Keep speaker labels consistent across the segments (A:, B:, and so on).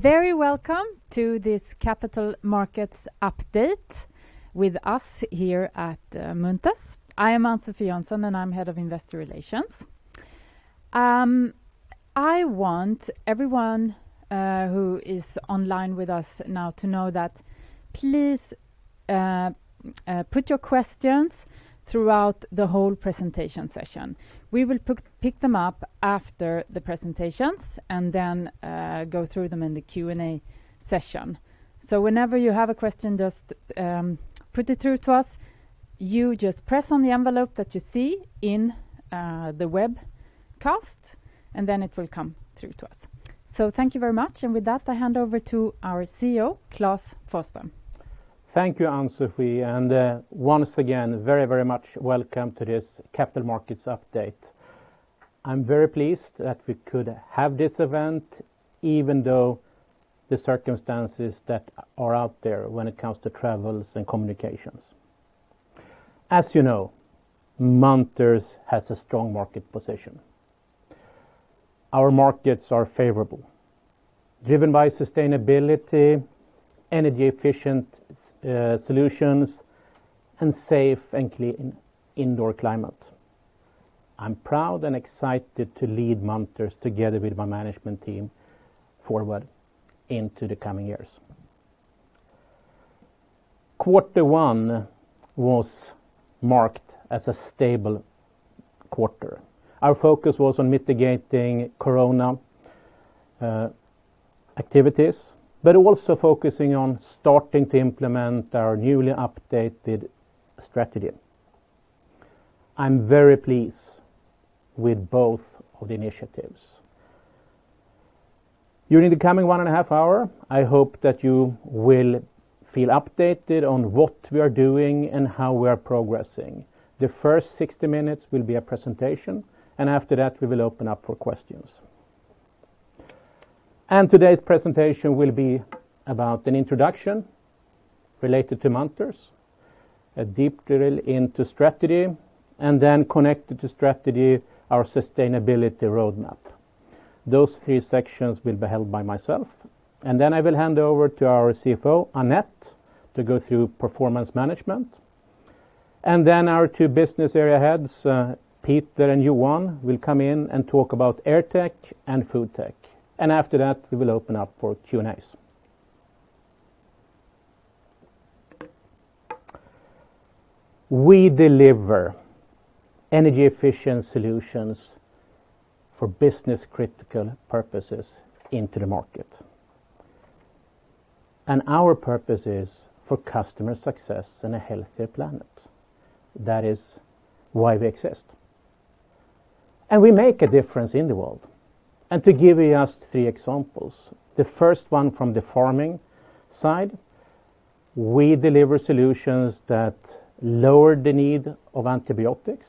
A: Very welcome to this Capital Markets Update with us here at Munters. I am Ann-Sofi Jönsson, and I'm Head of Investor Relations. I want everyone who is online with us now to know that please put your questions throughout the whole presentation session. We will pick them up after the presentations and then go through them in the Q&A session. Whenever you have a question, just put it through to us. You just press on the envelope that you see in the webcast, and then it will come through to us. Thank you very much, and with that, I hand over to our CEO, Klas Forsström.
B: Thank you, Ann-Sofi, and once again, very much welcome to this Capital Markets Update. I'm very pleased that we could have this event, even though the circumstances that are out there when it comes to travels and communications. As you know, Munters has a strong market position. Our markets are favorable, driven by sustainability, energy-efficient solutions, and safe and clean indoor climate. I'm proud and excited to lead Munters together with my management team forward into the coming years. Quarter one was marked as a stable quarter. Our focus was on mitigating COVID-19 activities, but also focusing on starting to implement our newly updated strategy. I'm very pleased with both of the initiatives. During the coming one and a half hour, I hope that you will feel updated on what we are doing and how we are progressing. The first 60 minutes will be a presentation. After that, we will open up for questions. Today's presentation will be about an introduction related to Munters, a deep drill into strategy, and then connected to strategy, our sustainability roadmap. Those three sections will be held by myself. Then I will hand over to our CFO, Annette, to go through performance management. Then our two Business Area Heads: Peter and Johan, will come in and talk about AirTech and FoodTech. After that, we will open up for Q&As. We deliver energy efficient solutions for business critical purposes into the market. Our purpose is for customer success and a healthier planet. That is why we exist. We make a difference in the world. To give just three examples, the first one from the farming side, we deliver solutions that lower the need of antibiotics,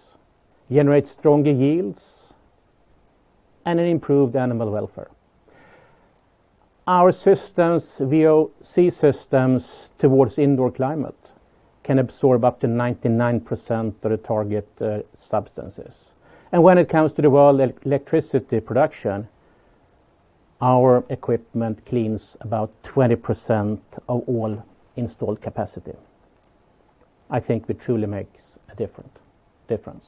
B: generate stronger yields, and an improved animal welfare. Our systems, VOC systems towards indoor climate, can absorb up to 99% of the target substances. When it comes to the world electricity production, our equipment cleans about 20% of all installed capacity. I think we truly make a difference.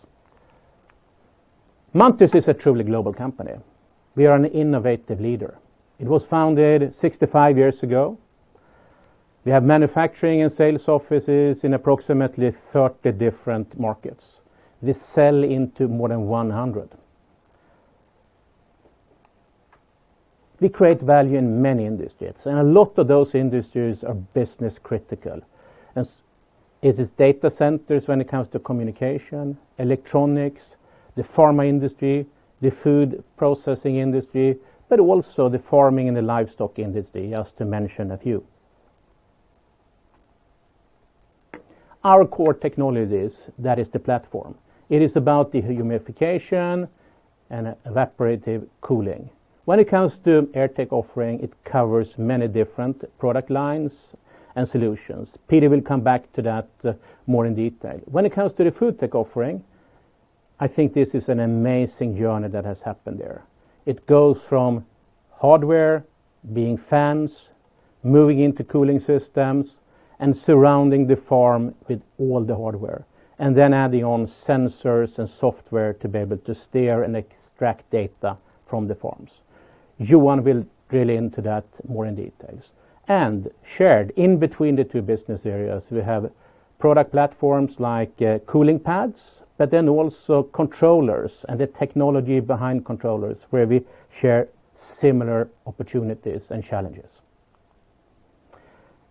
B: Munters is a truly global company. We are an innovative leader. It was founded 65 years ago. We have manufacturing and sales offices in approximately 30 different markets. We sell into more than 100. We create value in many industries, and a lot of those industries are business critical. It is data centers when it comes to communication, electronics, the pharma industry, the food processing industry, but also the farming and the livestock industry, just to mention a few. Our core technologies, that is the platform. It is about the humidification and evaporative cooling. When it comes to AirTech offering, it covers many different product lines and solutions. Peter will come back to that more in detail. When it comes to the FoodTech offering, I think this is an amazing journey that has happened there. It goes from hardware being fans, moving into cooling systems, and surrounding the farm with all the hardware, and then adding on sensors and software to be able to steer and extract data from the farms. Johan will drill into that more in details. Shared in between the two business areas, we have product platforms like cooling pads, but then also controllers and the technology behind controllers where we share similar opportunities and challenges.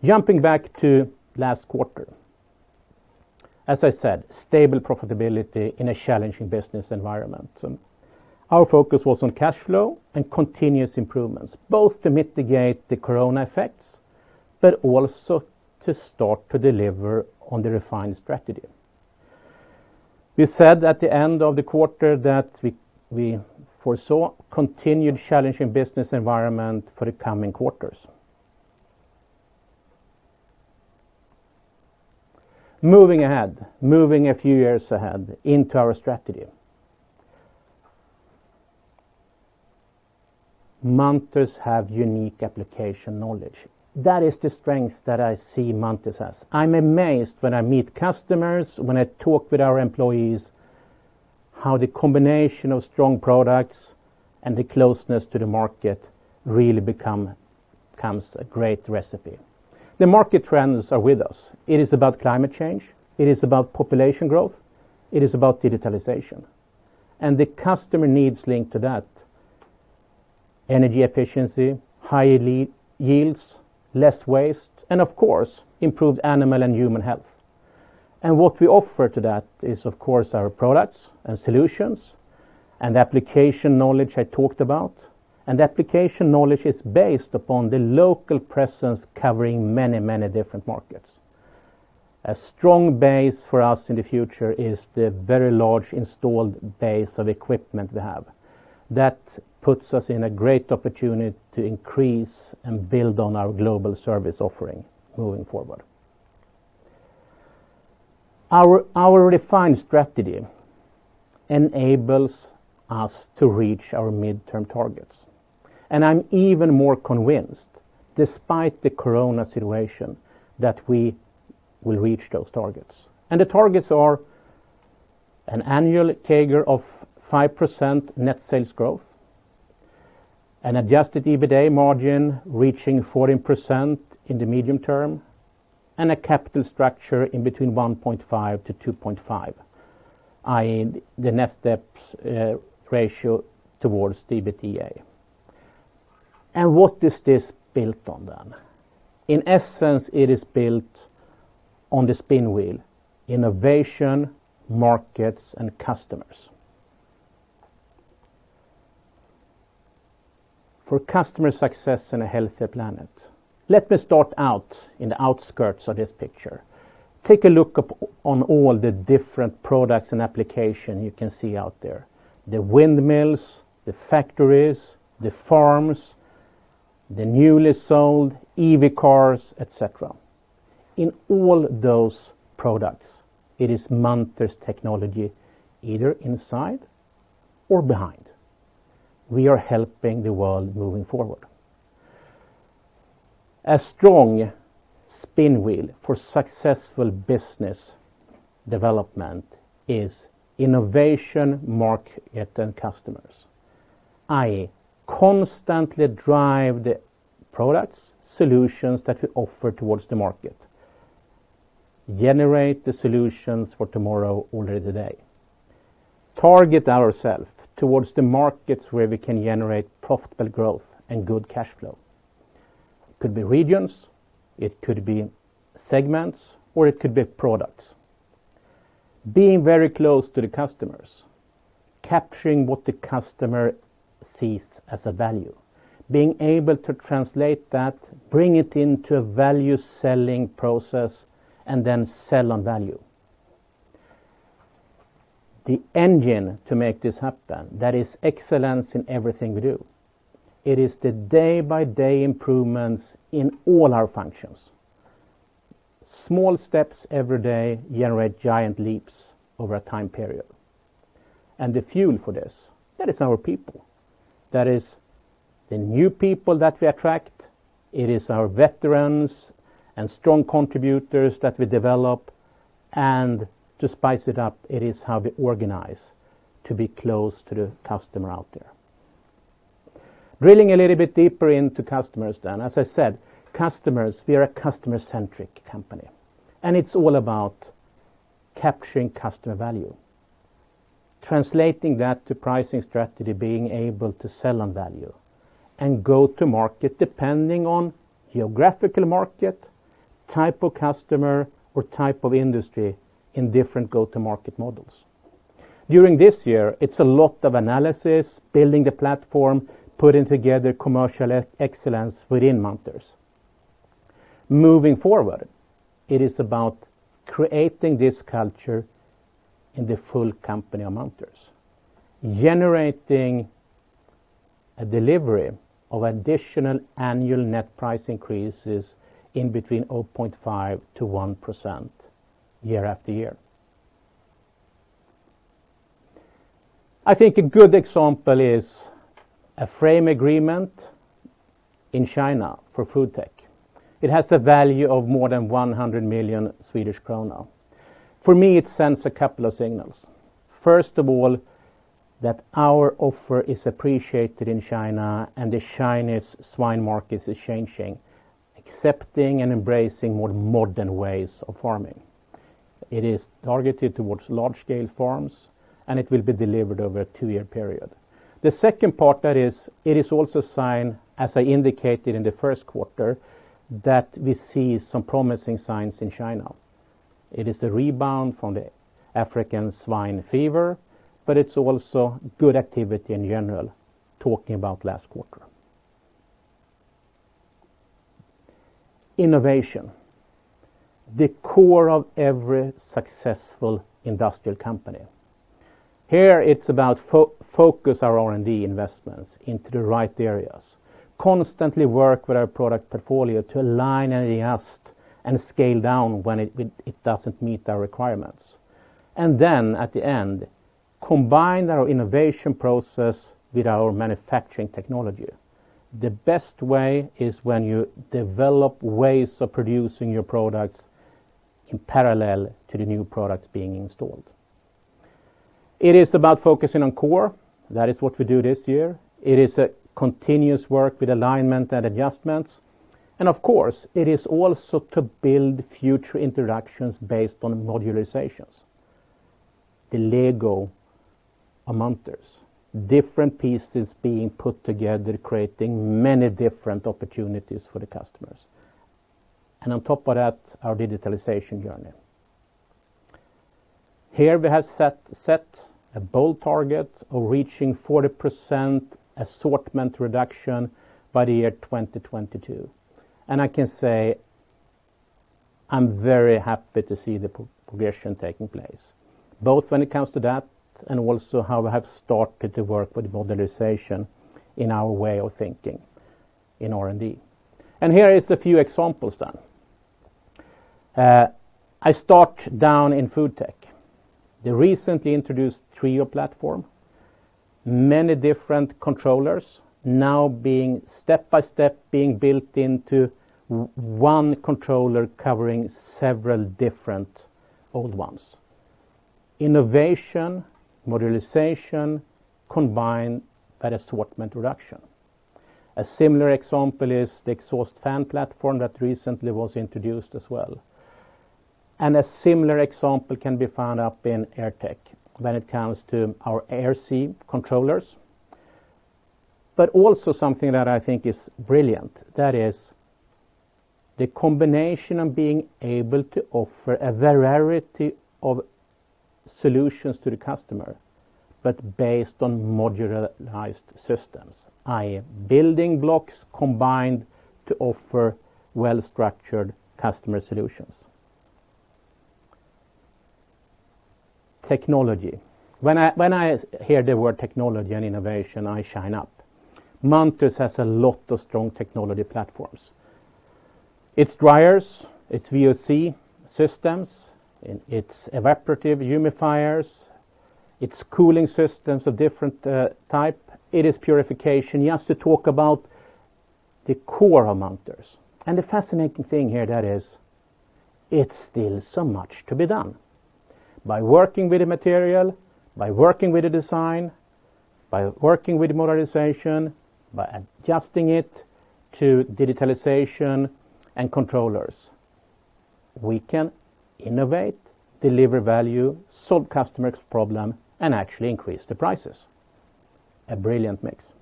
B: Jumping back to last quarter. As I said, stable profitability in a challenging business environment. Our focus was on cash flow and continuous improvements, both to mitigate the COVID-19 effects, but also to start to deliver on the refined strategy. We said at the end of the quarter that we foresaw continued challenging business environment for the coming quarters. Moving ahead, moving a few years ahead into our strategy. Munters have unique application knowledge. That is the strength that I see Munters as. I'm amazed when I meet customers, when I talk with our employees, how the combination of strong products and the closeness to the market really becomes a great recipe. The market trends are with us. It is about climate change, it is about population growth, it is about digitalization. The customer needs linked to that, energy efficiency, higher yields, less waste, and of course, improved animal and human health. What we offer to that is, of course, our products and solutions and the application knowledge I talked about. The application knowledge is based upon the local presence covering many different markets. A strong base for us in the future is the very large installed base of equipment we have. That puts us in a great opportunity to increase and build on our global service offering moving forward. Our refined strategy enables us to reach our midterm targets. I'm even more convinced, despite the COVID-19 situation, that we will reach those targets. The targets are an annual CAGR of 5% net sales growth, an adjusted EBITDA margin reaching 14% in the medium term, and a capital structure in between 1.5%-2.5%, i.e., the net debt ratio towards the EBITDA. What is this built on then? In essence, it is built on the spin wheel, innovation, markets, and customers. For customer success and a healthier planet. Let me start out in the outskirts of this picture. Take a look on all the different products and application you can see out there. The windmills, the factories, the farms, the newly sold EV cars, et cetera. In all those products, it is Munters technology either inside or behind. We are helping the world moving forward. A strong spin wheel for successful business development is innovation, market, and customers. I constantly drive the products, solutions that we offer towards the market, generate the solutions for tomorrow already today. Target ourselves towards the markets where we can generate profitable growth and good cash flow. It could be regions, it could be segments, or it could be products. Being very close to the customers, capturing what the customer sees as a value, being able to translate that, bring it into a value-selling process, and then sell on value. The engine to make this happen, that is excellence in everything we do. It is the day-by-day improvements in all our functions. Small steps every day generate giant leaps over a time period. The fuel for this, that is our people. That is the new people that we attract. It is our veterans and strong contributors that we develop. To spice it up, it is how we organize to be close to the customer out there. Drilling a little bit deeper into customers then. As I said, customers, we are a customer-centric company, and it's all about capturing customer value, translating that to pricing strategy, being able to sell on value, and go to market depending on geographical market, type of customer, or type of industry in different go-to-market models. During this year, it's a lot of analysis, building the platform, putting together commercial excellence within Munters. Moving forward, it is about creating this culture in the full company of Munters, generating a delivery of additional annual net price increases in between 0.5%-1% year-after-year. I think a good example is a frame agreement in China for FoodTech. It has a value of more than 100 million Swedish krona. For me, it sends a couple of signals. First of all, that our offer is appreciated in China. The Chinese swine market is changing, accepting and embracing more modern ways of farming. It is targeted towards large-scale farms. It will be delivered over a two-year period. The second part, that is, it is also a sign, as I indicated in the first quarter, that we see some promising signs in China. It is a rebound from the African swine fever. It's also good activity in general, talking about last quarter. Innovation, the core of every successful industrial company. Here, it's about focus our R&D investments into the right areas, constantly work with our product portfolio to align and adjust and scale down when it doesn't meet our requirements. At the end, combine our innovation process with our manufacturing technology. The best way is when you develop ways of producing your products in parallel to the new products being installed. It is about focusing on core. That is what we do this year. It is a continuous work with alignment and adjustments. Of course, it is also to build future introductions based on modularizations. The Lego of Munters, different pieces being put together, creating many different opportunities for the customers. On top of that, our digitalization journey. Here we have set a bold target of reaching 40% assortment reduction by the year 2022. I can say, I'm very happy to see the progression taking place, both when it comes to that and also how we have started to work with modularization in our way of thinking in R&D. Here is a few examples then. I start down in FoodTech. The recently introduced Trio platform, many different controllers now step-by-step being built into one controller covering several different old ones. Innovation, modularization, combined at assortment reduction. A similar example is the exhaust fan platform that recently was introduced as well. A similar example can be found up in AirTech when it comes to our AirC controllers, but also something that I think is brilliant, that is the combination of being able to offer a variety of solutions to the customer, but based on modularized systems, i.e. building blocks combined to offer well-structured customer solutions. Technology. When I hear the word technology and innovation, I shine up. Munters has a lot of strong technology platforms. Its dryers, its VOC systems, and its evaporative humidifiers, its cooling systems of different type. It is purification. Yes, to talk about the core of Munters. The fascinating thing here that is, it's still so much to be done. By working with the material, by working with the design, by working with modularization, by adjusting it to digitalization and controllers, we can innovate, deliver value, solve customers' problem, and actually increase the prices. A brilliant mix.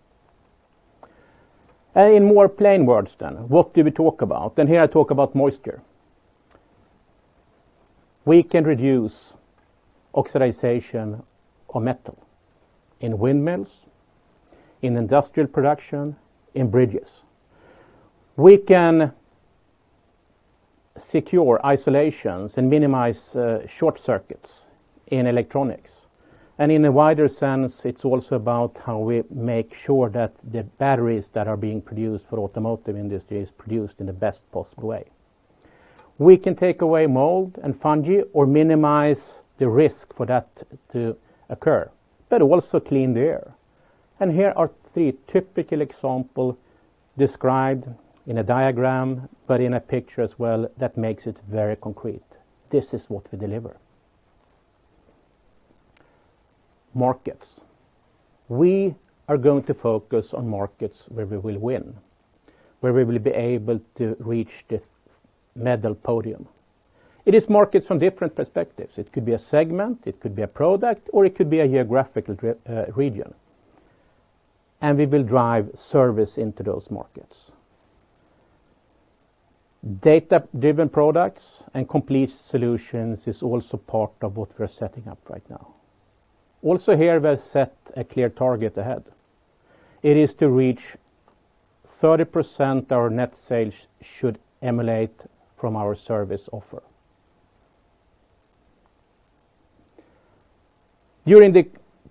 B: In more plain words then, what do we talk about? Here I talk about moisture. We can reduce oxidization of metal in windmills, in industrial production, in bridges. We can secure isolations and minimize short circuits in electronics. In a wider sense, it's also about how we make sure that the batteries that are being produced for automotive industry is produced in the best possible way. We can take away mold and fungi or minimize the risk for that to occur, but also clean the air. Here are three typical example described in a diagram, but in a picture as well that makes it very concrete. This is what we deliver. Markets. We are going to focus on markets where we will win, where we will be able to reach the medal podium. It is markets from different perspectives. It could be a segment, it could be a product, or it could be a geographical region. We will drive service into those markets. Data-driven products and complete solutions is also part of what we're setting up right now. Also here, we've set a clear target ahead. It is to reach 30% our net sales should emanate from our service offer. During the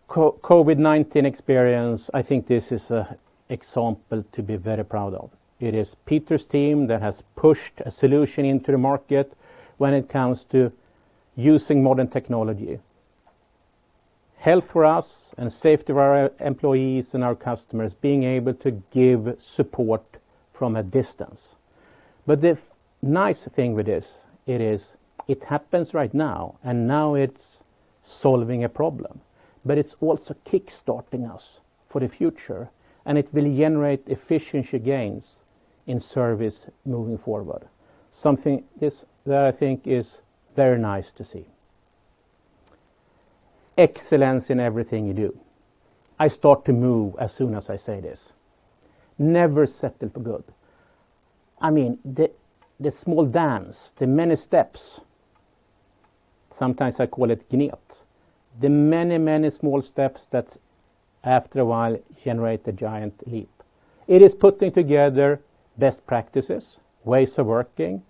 B: COVID-19 experience, I think this is an example to be very proud of. It is Peter's team that has pushed a solution into the market when it comes to using modern technology. Health for us and safety of our employees and our customers, being able to give support from a distance. The nice thing with this, it happens right now, and now it's solving a problem, but it's also kickstarting us for the future, and it will generate efficiency gains in service moving forward. Something that I think is very nice to see. Excellence in everything you do. I start to move as soon as I say this. Never settle for good. I mean, the small dance, the many steps. Sometimes I call it. The many small steps that after a while generate a giant leap. It is putting together best practices, ways of working.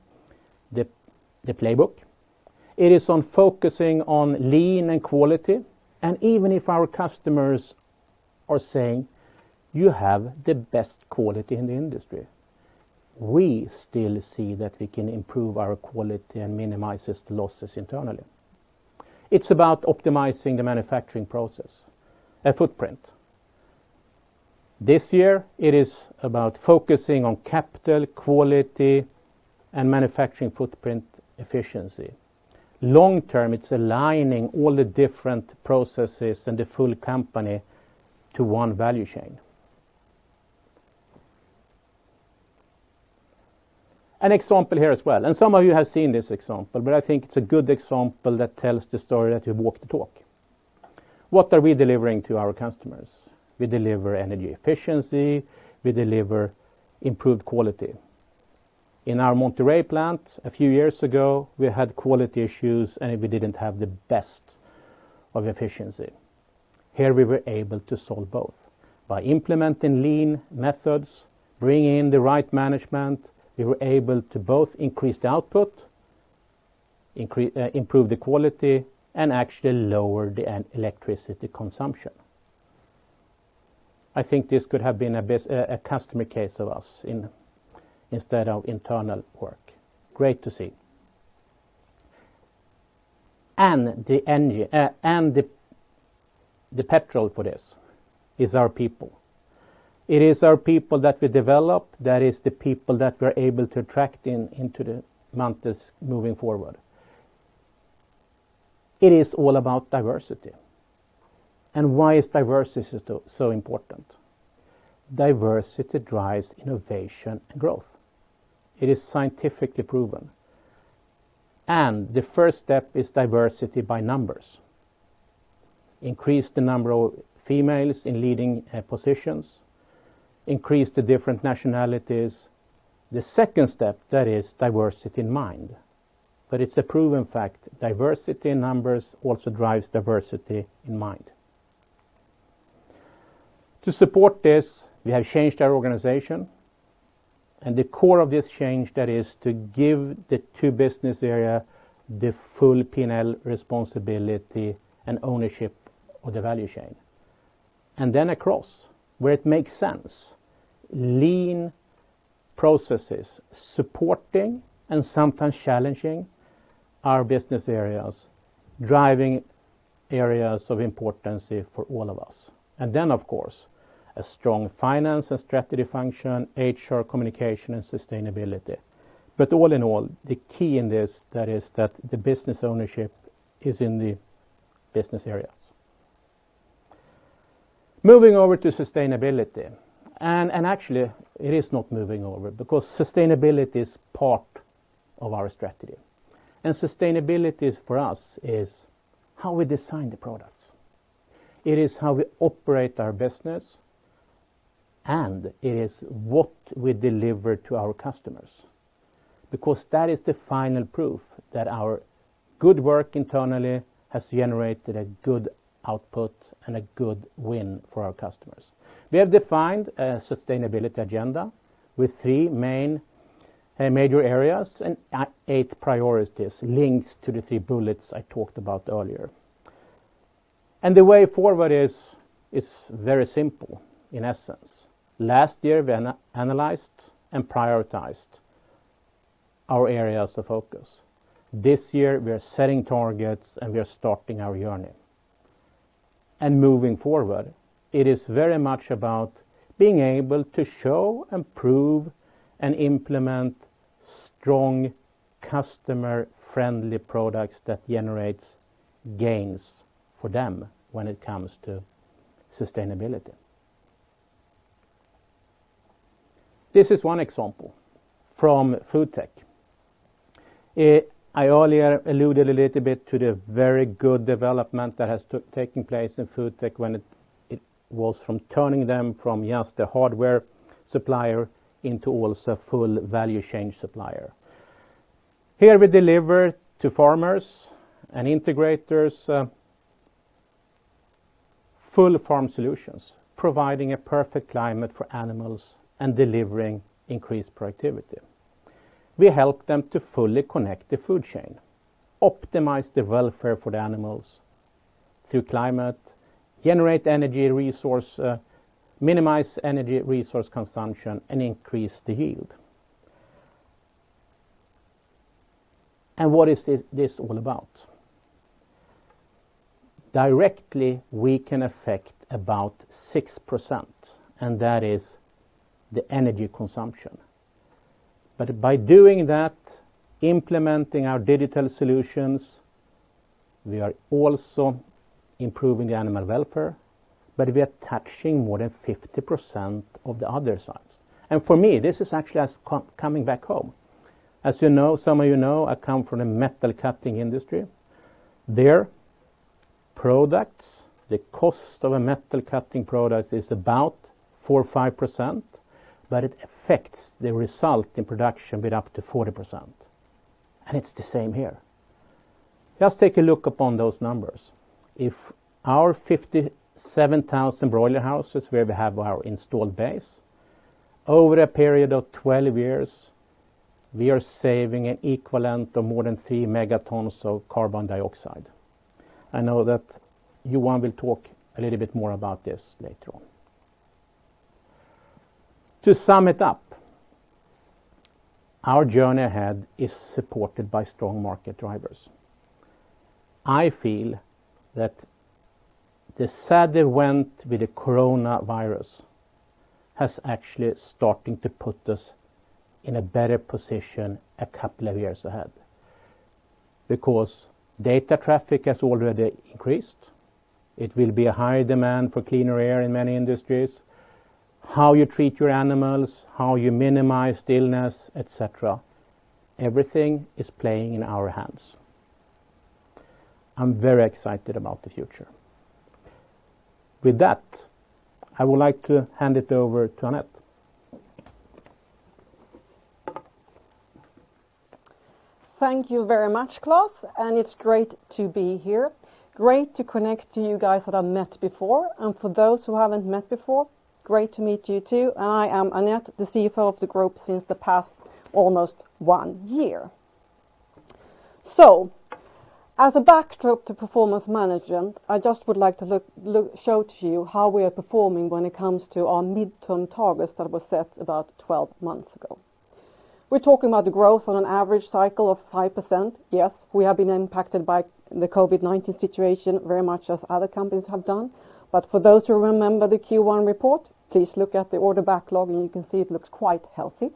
B: The playbook. It is on focusing on lean and quality, and even if our customers are saying: You have the best quality in the industry, we still see that we can improve our quality and minimize the losses internally. It's about optimizing the manufacturing process and footprint. This year it is about focusing on capital, quality, and manufacturing footprint efficiency. Long term, it's aligning all the different processes and the full company to one value chain. An example here as well, and some of you have seen this example, but I think it's a good example that tells the story that we walk the talk. What are we delivering to our customers? We deliver energy efficiency. We deliver improved quality. In our Monterrey plant a few years ago, we had quality issues, and we didn't have the best of efficiency. Here we were able to solve both. By implementing lean methods, bringing in the right management, we were able to both increase the output, improve the quality, and actually lower the electricity consumption. I think this could have been a customer case of us instead of internal work. Great to see. The petrol for this is our people. It is our people that we develop, that is the people that we're able to attract into the Munters moving forward. It is all about diversity. Why is diversity so important? Diversity drives innovation and growth. It is scientifically proven. The first step is diversity by numbers. Increase the number of females in leading positions, increase the different nationalities. The second step, that is diversity in mind. It's a proven fact, diversity in numbers also drives diversity in mind. To support this, we have changed our organization, the core of this change, that is to give the two business area the full P&L responsibility and ownership of the value chain. Then across, where it makes sense, lean processes, supporting and sometimes challenging our business areas, driving areas of importance for all of us. Then, of course, a strong finance and strategy function, HR, communication, and sustainability. All in all, the key in this, that is that the business ownership is in the business areas. Moving over to sustainability. Actually, it is not moving over because sustainability is part of our strategy. Sustainability for us is how we design the products, it is how we operate our business, and it is what we deliver to our customers. Because that is the final proof that our good work internally has generated a good output and a good win for our customers. We have defined a sustainability agenda with three main major areas and eight priorities linked to the three bullets I talked about earlier. The way forward is very simple in essence. Last year, we analyzed and prioritized our areas of focus. This year, we are setting targets, and we are starting our journey. Moving forward, it is very much about being able to show and prove and implement strong, customer-friendly products that generates gains for them when it comes to sustainability. This is one example from FoodTech. I earlier alluded a little bit to the very good development that has taken place in FoodTech when it was from turning them from just a hardware supplier into also a full value chain supplier. Here we deliver to farmers and integrators full farm solutions, providing a perfect climate for animals and delivering increased productivity. We help them to fully connect the food chain, optimize the welfare for the animals through climate, generate energy resource, minimize energy resource consumption, and increase the yield. What is this all about? Directly, we can affect about 6%, and that is the energy consumption. By doing that, implementing our digital solutions, we are also improving the animal welfare, but we are touching more than 50% of the other sides. For me, this is actually as coming back home. As some of you know, I come from the metal cutting industry. There, products, the cost of a metal cutting product is about 4% or 5%, but it affects the result in production with up to 40%. It's the same here. Just take a look upon those numbers. If our 57,000 broiler houses where we have our installed base, over a period of 12 years, we are saving an equivalent of more than 3 megatons of carbon dioxide. I know that Johan will talk a little bit more about this later on. To sum it up, our journey ahead is supported by strong market drivers. I feel that the sad event with the coronavirus has actually starting to put us in a better position a couple of years ahead because data traffic has already increased. It will be a higher demand for cleaner air in many industries. How you treat your animals, how you minimize stillness, et cetera, everything is playing in our hands. I'm very excited about the future. With that, I would like to hand it over to Annette.
C: Thank you very much, Klas, and it's great to be here. Great to connect to you guys that I've met before. For those who I haven't met before, great to meet you, too. I am Annette, the CFO of the group since the past almost one year. As a backdrop to performance management, I just would like to show to you how we are performing when it comes to our midterm targets that were set about 12 months ago. We're talking about the growth on an average cycle of 5%. Yes, we have been impacted by the COVID-19 situation very much as other companies have done. For those who remember the Q1 report, please look at the order backlog, and you can see it looks quite healthy.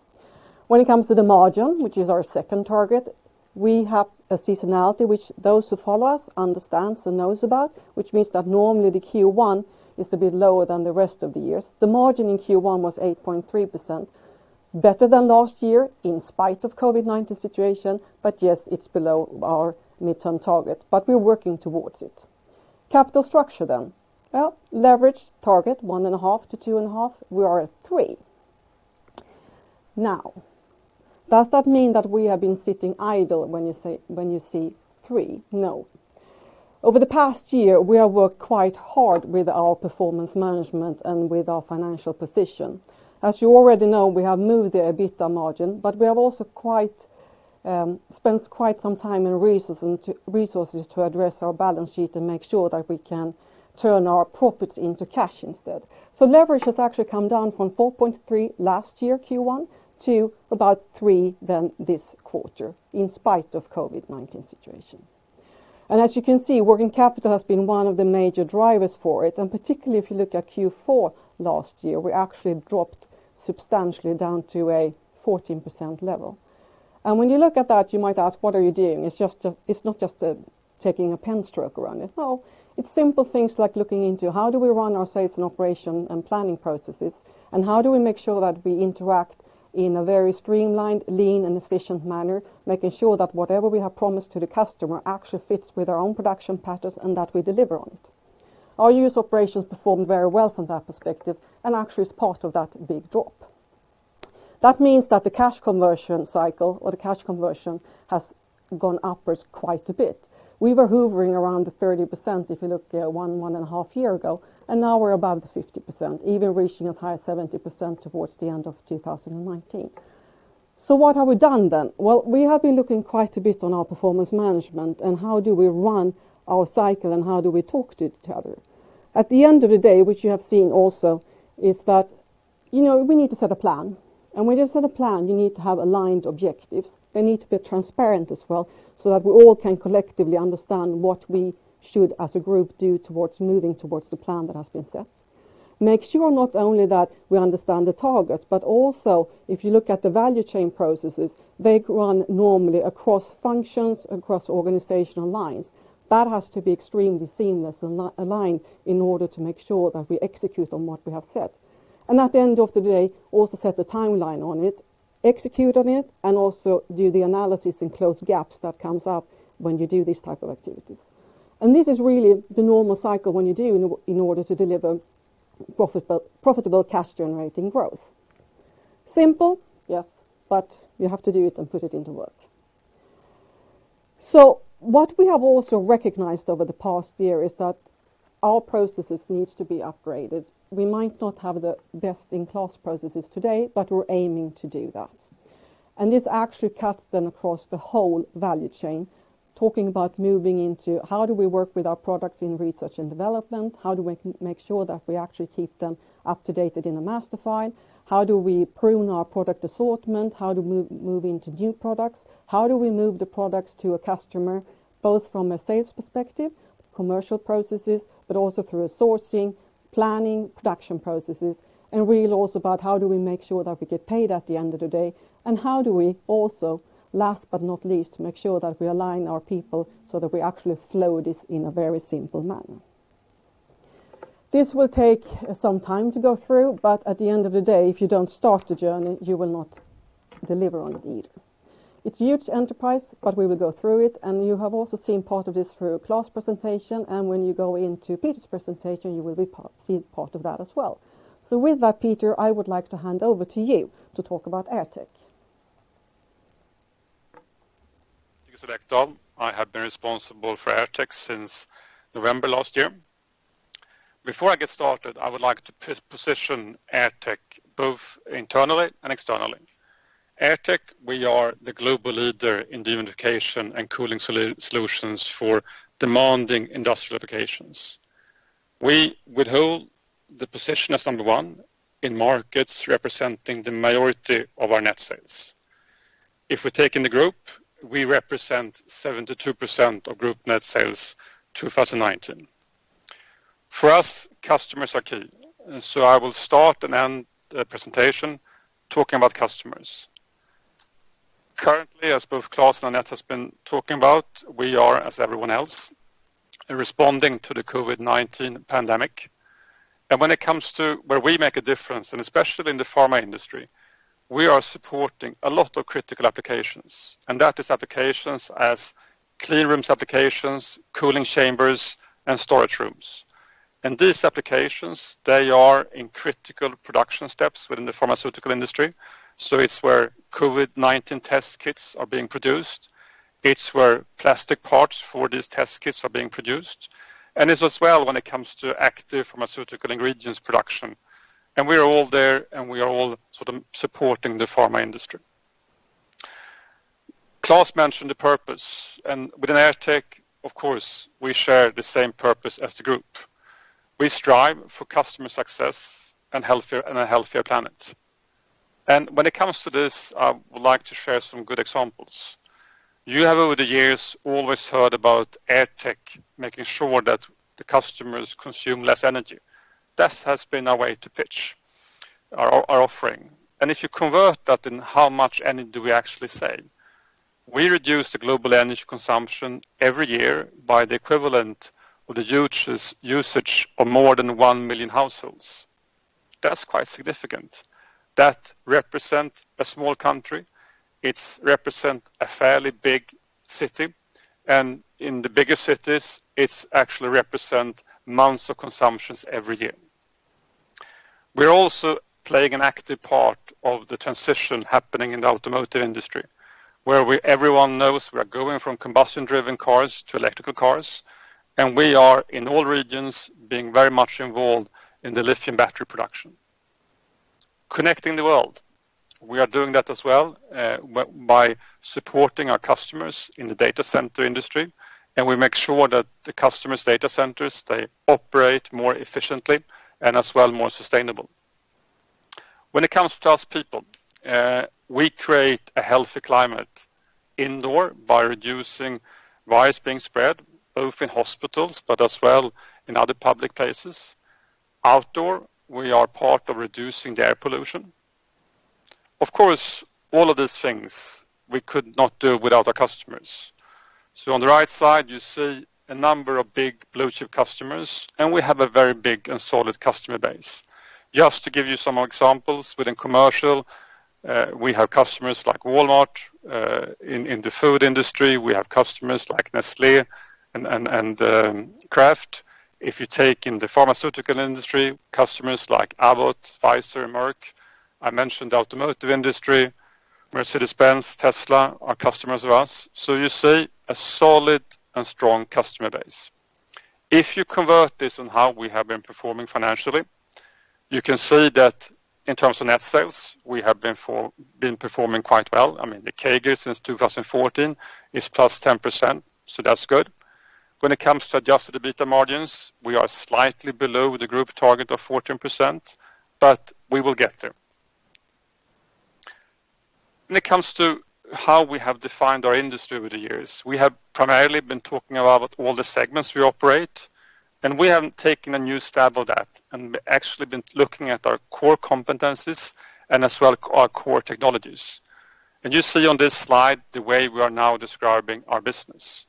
C: When it comes to the margin, which is our second target, we have a seasonality, which those who follow us understands and knows about, which means that normally the Q1 is a bit lower than the rest of the years. The margin in Q1 was 8.3%, better than last year in spite of COVID-19 situation. Yes, it's below our midterm target, but we're working towards it. Capital structure. Well, leverage target, 1.5%-2.5%, we are at 3%. Does that mean that we have been sitting idle when you see 3%? No. Over the past year, we have worked quite hard with our performance management and with our financial position. As you already know, we have moved the EBITDA margin, but we have also spent quite some time and resources to address our balance sheet and make sure that we can turn our profits into cash instead.. Leverage has actually come down from 4.3% last year, Q1, to about 3% this quarter in spite of COVID-19 situation. As you can see, working capital has been one of the major drivers for it. Particularly if you look at Q4 last year, we actually dropped substantially down to a 14% level. When you look at that, you might ask, what are you doing? It's not just taking a pen stroke around it. No, it's simple things like looking into how do we run our sales and operation and planning processes, and how do we make sure that we interact in a very streamlined, lean, and efficient manner, making sure that whatever we have promised to the customer actually fits with our own production patterns and that we deliver on it. Our U.S. operations performed very well from that perspective and actually is part of that big drop. Means that the cash conversion cycle or the cash conversion has gone upwards quite a bit. We were hovering around the 30%, if you look one and a half year ago, now we're above the 50%, even reaching as high as 70% towards the end of 2019. What have we done then? Well, we have been looking quite a bit on our performance management and how do we run our cycle and how do we talk to each other. At the end of the day, which you have seen also, is that we need to set a plan. When you set a plan, you need to have aligned objectives. They need to be transparent as well, so that we all can collectively understand what we should, as a group, do towards moving towards the plan that has been set. Make sure not only that we understand the targets, but also if you look at the value chain processes, they run normally across functions, across organizational lines. That has to be extremely seamless and aligned in order to make sure that we execute on what we have set. At the end of the day, also set a timeline on it, execute on it, and also do the analysis and close gaps that comes up when you do these type of activities. This is really the normal cycle when you do in order to deliver profitable cash-generating growth. Simple, yes, but you have to do it and put it into work. What we have also recognized over the past year is that our processes needs to be upgraded. We might not have the best-in-class processes today, but we're aiming to do that. This actually cuts then across the whole value chain, talking about moving into how do we work with our products in research and development, how do we make sure that we actually keep them up-to-date in a master file, how do we prune our product assortment, how do we move into new products, how do we move the products to a customer, both from a sales perspective, commercial processes, but also through sourcing, planning, production processes, and really also about how do we make sure that we get paid at the end of the day, and how do we also, last but not least, make sure that we align our people so that we actually flow this in a very simple manner. This will take some time to go through, but at the end of the day, if you don't start the journey, you will not deliver on it either. It's huge enterprise, but we will go through it, and you have also seen part of this through Klas' presentation, and when you go into Peter's presentation, you will be seeing part of that as well. With that, Peter, I would like to hand over to you to talk about AirTech.
D: Thank you, Annette. I have been responsible for AirTech since November last year. Before I get started, I would like to position AirTech both internally and externally. AirTech, we are the global leader in dehumidification and cooling solutions for demanding industrial applications. We withhold the position as number one in markets representing the majority of our net sales. If we take in the group, we represent 72% of group net sales 2019. For us, customers are key. I will start and end the presentation talking about customers. Currently, as both Klas and Annette has been talking about, we are, as everyone else, responding to the COVID-19 pandemic. When it comes to where we make a difference, and especially in the pharma industry, we are supporting a lot of critical applications, and that is applications as clean rooms applications, cooling chambers, and storage rooms. These applications, they are in critical production steps within the pharmaceutical industry, so it's where COVID-19 test kits are being produced. It's where plastic parts for these test kits are being produced, and it's as well when it comes to active pharmaceutical ingredients production. We are all there, and we are all sort of supporting the pharma industry. Klas mentioned the purpose, and within AirTech, of course, we share the same purpose as the group. We strive for customer success and a healthier planet. When it comes to this, I would like to share some good examples. You have, over the years, always heard about AirTech making sure that the customers consume less energy. That has been our way to pitch our offering. If you convert that in how much energy do we actually save? We reduce the global energy consumption every year by the equivalent of the usage of more than 1 million households. That's quite significant. That represent a small country. It represent a fairly big city. In the biggest cities, it actually represent months of consumptions every year. We're also playing an active part of the transition happening in the automotive industry, where everyone knows we are going from combustion-driven cars to electrical cars, and we are, in all regions, being very much involved in the lithium battery production. Connecting the world, we are doing that as well by supporting our customers in the data center industry, and we make sure that the customer's data centers, they operate more efficiently and as well, more sustainable. When it comes to us people, we create a healthy climate indoor by reducing virus being spread, both in hospitals but as well in other public places. Outdoor, we are part of reducing the air pollution. Of course, all of these things we could not do without our customers. On the right side, you see a number of big blue-chip customers, and we have a very big and solid customer base. Just to give you some examples, within commercial, we have customers like Walmart. In the food industry, we have customers like Nestlé and Kraft. If you take in the pharmaceutical industry, customers like Abbott, Pfizer, and Merck. I mentioned automotive industry, Mercedes-Benz, Tesla are customers of us. You see a solid and strong customer base. If you convert this on how we have been performing financially, you can see that in terms of net sales, we have been performing quite well. I mean, the CAGR since 2014 is +10%, so that's good. When it comes to adjusted EBITDA margins, we are slightly below the group target of 14%, but we will get there. When it comes to how we have defined our industry over the years, we have primarily been talking about all the segments we operate, and we have taken a new stab of that and actually been looking at our core competencies and as well our core technologies. You see on this slide the way we are now describing our business.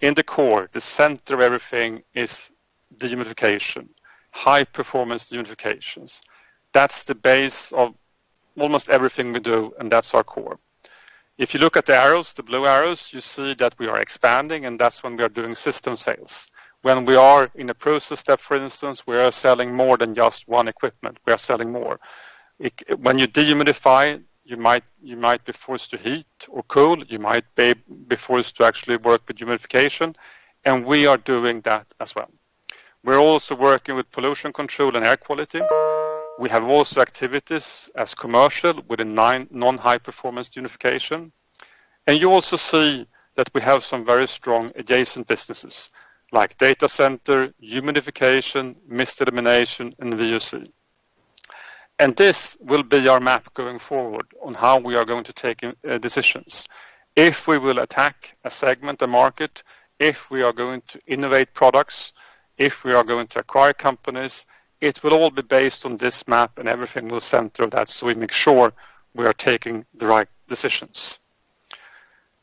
D: In the core, the center of everything is dehumidification, high-performance dehumidifications. That's the base of almost everything we do, and that's our core. If you look at the arrows, the blue arrows, you see that we are expanding. That's when we are doing system sales. When we are in a process step, for instance, we are selling more than just one equipment. We are selling more. When you dehumidify, you might be forced to heat or cool. You might be forced to actually work with humidification. We are doing that as well. We're also working with pollution control and air quality. We have also activities as commercial with a non-high-performance dehumidification. You also see that we have some very strong adjacent businesses like data center, humidification, mist elimination, and VOC. This will be our map going forward on how we are going to take decisions. If we will attack a segment, a market, if we are going to innovate products, if we are going to acquire companies, it will all be based on this map, and everything will center that, so we make sure we are taking the right decisions.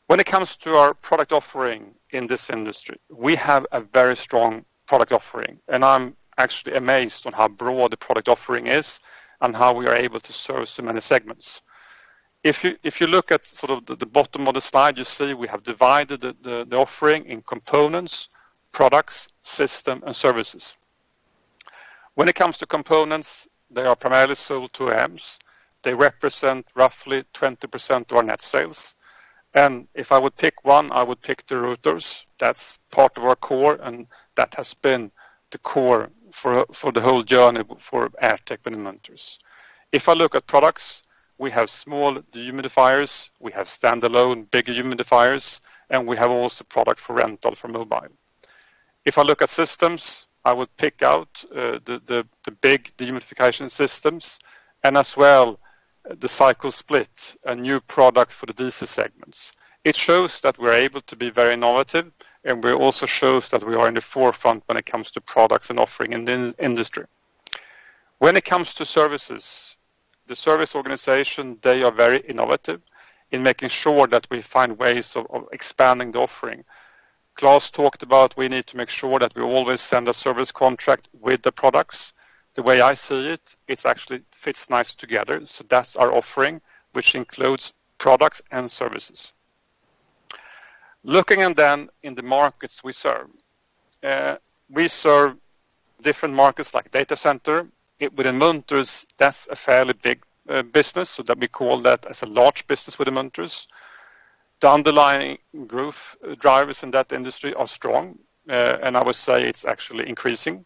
D: When it comes to our product offering in this industry, we have a very strong product offering, and I'm actually amazed on how broad the product offering is, and how we are able to serve so many segments. If you look at the bottom of the slide, you see we have divided the offering in components, products, system, and services. When it comes to components, they are primarily sold to OEMs. They represent roughly 20% of our net sales. If I would pick one, I would pick the rotors. That's part of our core, and that has been the core for the whole journey for AirTech by Munters. If I look at products, we have small dehumidifiers, we have standalone big dehumidifiers, and we have also product for rental for mobile. If I look at systems, I would pick out the big dehumidification systems, and as well, the SyCool Split, a new product for the DC segments. It shows that we're able to be very innovative, and we also shows that we are in the forefront when it comes to products and offering in the industry. When it comes to services, the service organization, they are very innovative in making sure that we find ways of expanding the offering. Klas talked about we need to make sure that we always send a service contract with the products. The way I see it actually fits nice together. That's our offering, which includes products and services. Looking at in the markets we serve. We serve different markets like data center. With Munters, that's a fairly big business, we call that as a large business with Munters. The underlying growth drivers in that industry are strong, and I would say it's actually increasing.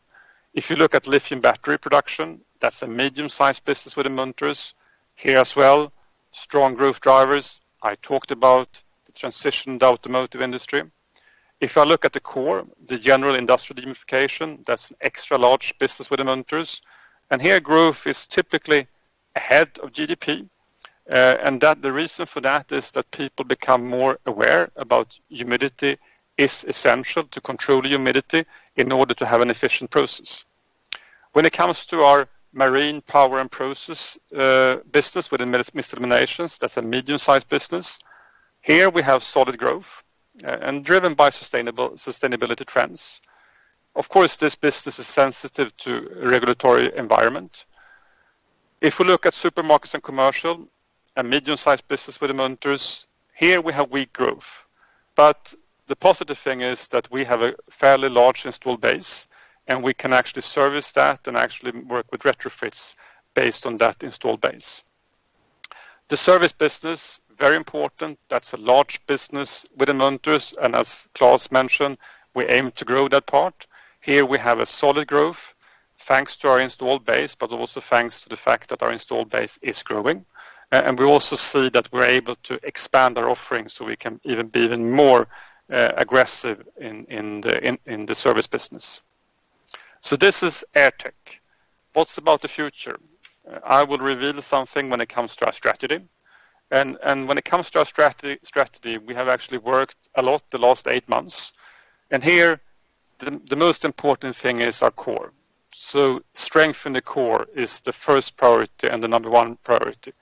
D: If you look at lithium battery production, that's a medium-sized business with Munters. Here as well, strong growth drivers. I talked about the transition to automotive industry. If I look at the core, the general industrial dehumidification, that's an extra-large business with Munters. Here, growth is typically ahead of GDP. The reason for that is that people become more aware that humidity is essential to control humidity in order to have an efficient process. When it comes to our marine power and process business within mist eliminations, that's a medium-sized business. Here we have solid growth, driven by sustainability trends. Of course, this business is sensitive to regulatory environment. If we look at supermarkets and commercial, a medium-sized business with Munters, here we have weak growth. The positive thing is that we have a fairly large installed base, and we can actually service that and actually work with retrofits based on that installed base. The service business, very important. That's a large business within Munters, and as Klas mentioned, we aim to grow that part. Here we have a solid growth thanks to our installed base, but also thanks to the fact that our installed base is growing. We also see that we're able to expand our offerings so we can even be even more aggressive in the service business. This is AirTech. What's about the future? I will reveal something when it comes to our strategy. When it comes to our strategy, we have actually worked a lot the last eight months. Here, the most important thing is our core. Strengthen the core is the first priority and the number one priority.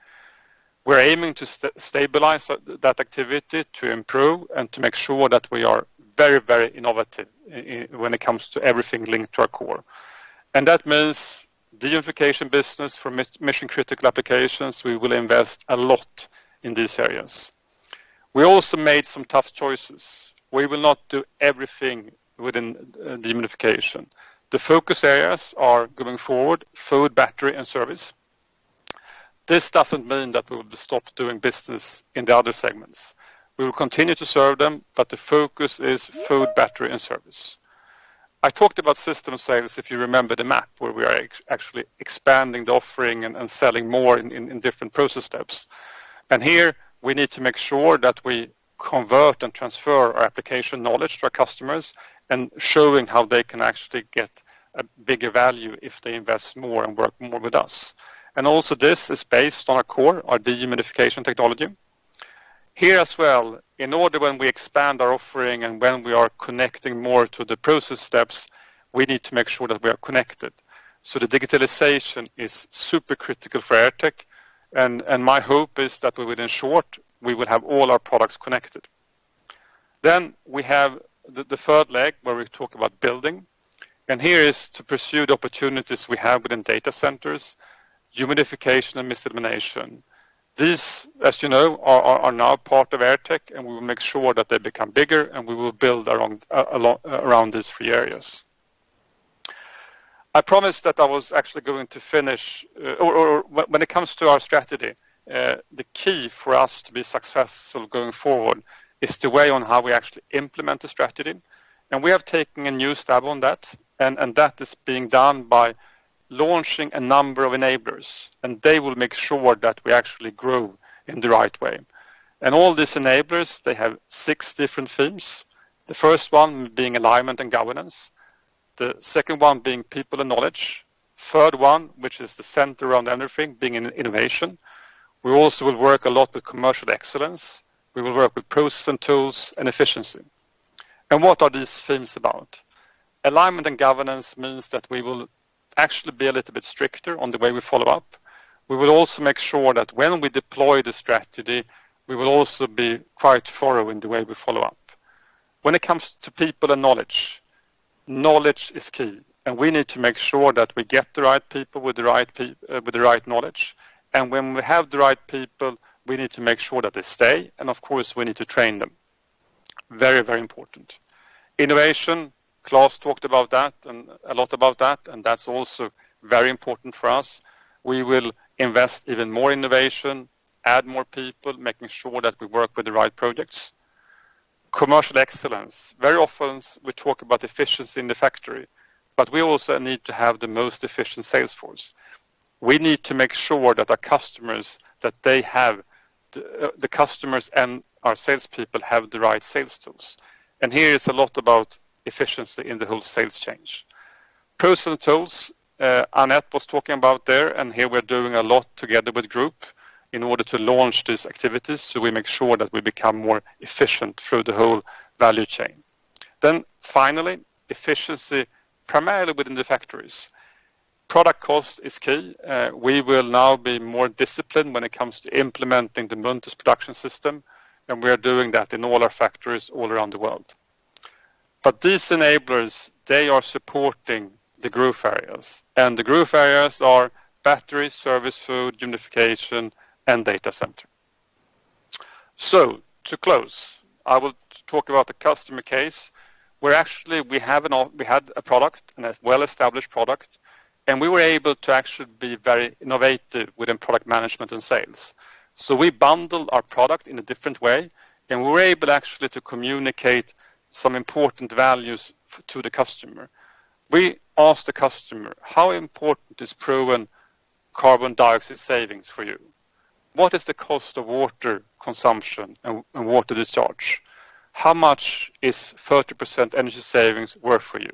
D: We're aiming to stabilize that activity to improve and to make sure that we are very innovative when it comes to everything linked to our core. That means dehumidification business for mission-critical applications, we will invest a lot in these areas. We also made some tough choices. We will not do everything within dehumidification. The focus areas are going forward, food, battery, and service. This doesn't mean that we'll stop doing business in the other segments. We will continue to serve them, but the focus is food, battery, and service. I talked about system sales, if you remember the map where we are actually expanding the offering and selling more in different process steps. Here we need to make sure that we convert and transfer our application knowledge to our customers and showing how they can actually get a bigger value if they invest more and work more with us. Also this is based on our core, our dehumidification technology. Here as well, in order when we expand our offering and when we are connecting more to the process steps, we need to make sure that we are connected. The digitalization is super critical for AirTech, and my hope is that within short, we will have all our products connected. We have the third leg, where we talk about building. Here is to pursue the opportunities we have within data centers, humidification, and mist elimination. These, as you know, are now part of AirTech, and we will make sure that they become bigger, and we will build around these three areas. When it comes to our strategy, the key for us to be successful going forward is the way on how we actually implement the strategy. We have taken a new stab on that, and that is being done by launching a number of enablers, and they will make sure that we actually grow in the right way. All these enablers, they have six different themes. The first one being alignment and governance, the second one being people and knowledge. Third one, which is the center around everything, being innovation. We also will work a lot with commercial excellence. We will work with process and tools and efficiency. What are these themes about? Alignment and governance means that we will actually be a little bit stricter on the way we follow up. We will also make sure that when we deploy the strategy, we will also be quite thorough in the way we follow up. When it comes to people and knowledge is key, and we need to make sure that we get the right people with the right knowledge. When we have the right people, we need to make sure that they stay, and of course, we need to train them. Very important. Innovation, Klas talked about that, and a lot about that, and that's also very important for us. We will invest even more innovation, add more people, making sure that we work with the right projects. Commercial excellence. Very often we talk about efficiency in the factory, but we also need to have the most efficient sales force. We need to make sure that our customers and our salespeople have the right sales tools. Here is a lot about efficiency in the whole sales chain. Personal tools, Annette was talking about there, and here we're doing a lot together with Group in order to launch these activities, so we make sure that we become more efficient through the whole value chain. Finally, efficiency primarily within the factories. Product cost is key. We will now be more disciplined when it comes to implementing the Munters production system, and we are doing that in all our factories all around the world. These enablers, they are supporting the growth areas, and the growth areas are batteries, service, FoodTech, humidification, and data center. To close, I will talk about the customer case, where actually we had a product, and a well-established product, and we were able to actually be very innovative within product management and sales. We bundled our product in a different way, and we were able actually to communicate some important values to the customer. We asked the customer: How important is proven carbon dioxide savings for you? What is the cost of water consumption and water discharge? How much is 30% energy savings worth for you?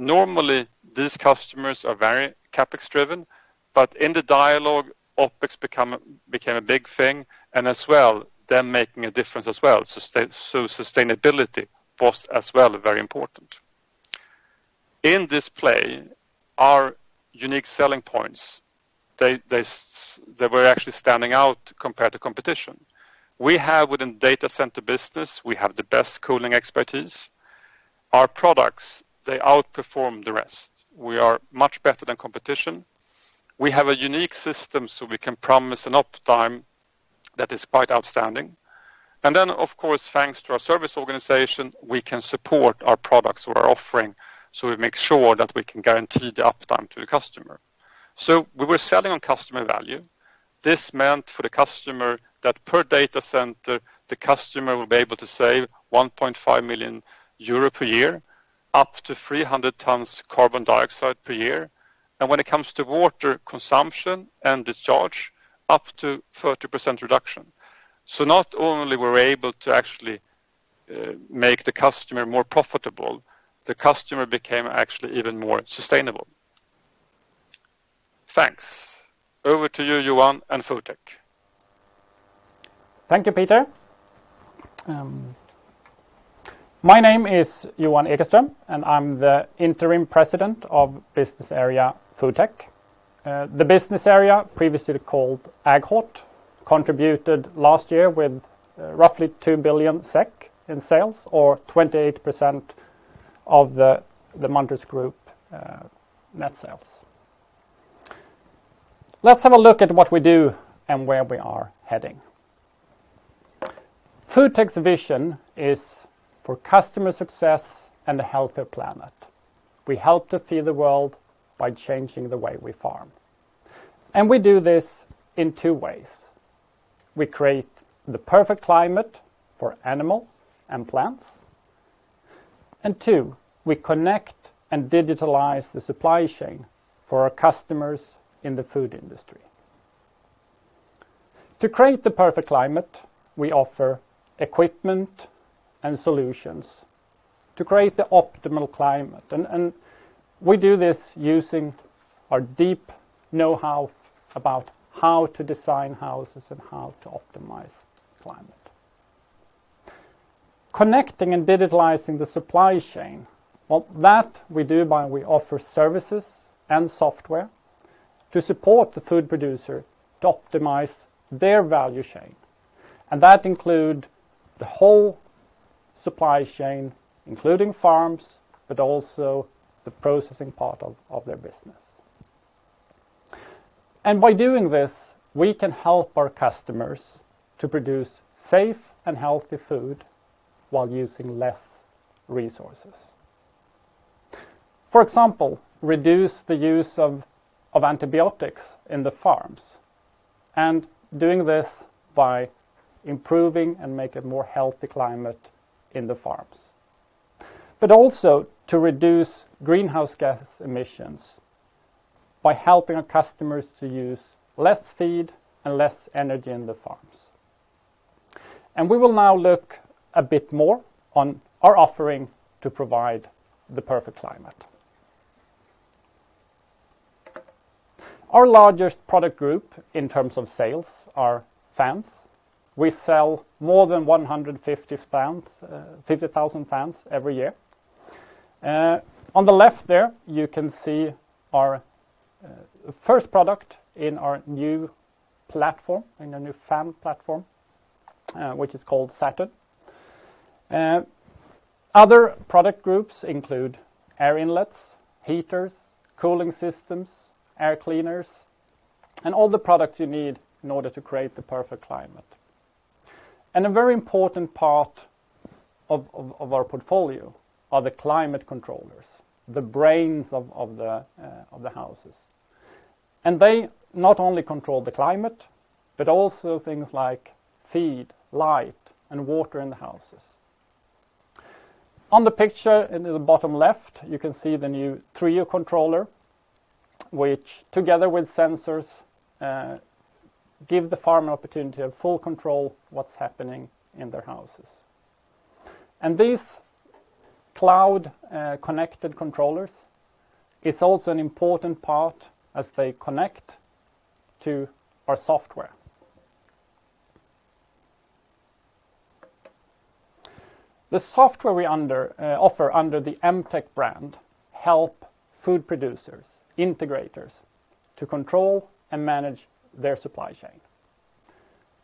D: Normally, these customers are very CapEx-driven, but in the dialogue, OpEx became a big thing, and as well, them making a difference as well. Sustainability was as well very important. In this play, our unique selling points, they were actually standing out compared to competition. Within data center business, we have the best cooling expertise. Our products, they outperform the rest. We are much better than competition. We have a unique system. We can promise an uptime that is quite outstanding. Of course, thanks to our service organization, we can support our products or our offering. We make sure that we can guarantee the uptime to the customer. We were selling on customer value. This meant for the customer that per data center, the customer will be able to save 1.5 million euro per year, up to 300 tons carbon dioxide per year. When it comes to water consumption and discharge, up to 30% reduction. Not only were we able to actually make the customer more profitable, the customer became actually even more sustainable. Thanks. Over to you, Johan, and FoodTech.
E: Thank you, Peter. My name is Johan Ekeström, I'm the interim president of business area FoodTech. The business area previously called AgHort, contributed last year with roughly 2 billion SEK in sales, or 28% of the Munters Group net sales. Let's have a look at what we do and where we are heading. FoodTech's vision is for customer success and a healthier planet. We help to feed the world by changing the way we farm. We do this in two ways. We create the perfect climate for animal and plants. Two, we connect and digitalize the supply chain for our customers in the food industry. To create the perfect climate, we offer equipment and solutions to create the optimal climate. We do this using our deep knowhow about how to design houses and how to optimize climate. Connecting and digitalizing the supply chain. Well, that we do by we offer services and software to support the food producer to optimize their value chain. That include the whole supply chain, including farms, but also the processing part of their business. By doing this, we can help our customers to produce safe and healthy food while using less resources. For example, reduce the use of antibiotics in the farms, and doing this by improving and make a more healthy climate in the farms. Also to reduce greenhouse gas emissions by helping our customers to use less feed and less energy in the farms. We will now look a bit more on our offering to provide the perfect climate. Our largest product group in terms of sales are fans. We sell more than 150,000 fans every year. On the left there, you can see our first product in our new fan platform, which is called Saturn. Other product groups include air inlets, heaters, cooling systems, air cleaners, and all the products you need in order to create the perfect climate. A very important part of our portfolio are the climate controllers, the brains of the houses. They not only control the climate, but also things like feed, light, and water in the houses. On the picture in the bottom left, you can see the new Trio controller, which together with sensors, give the farm an opportunity of full control what's happening in their houses. These cloud-connected controllers is also an important part as they connect to our software. The software we offer under the MTech brand help food producers, integrators to control and manage their supply chain.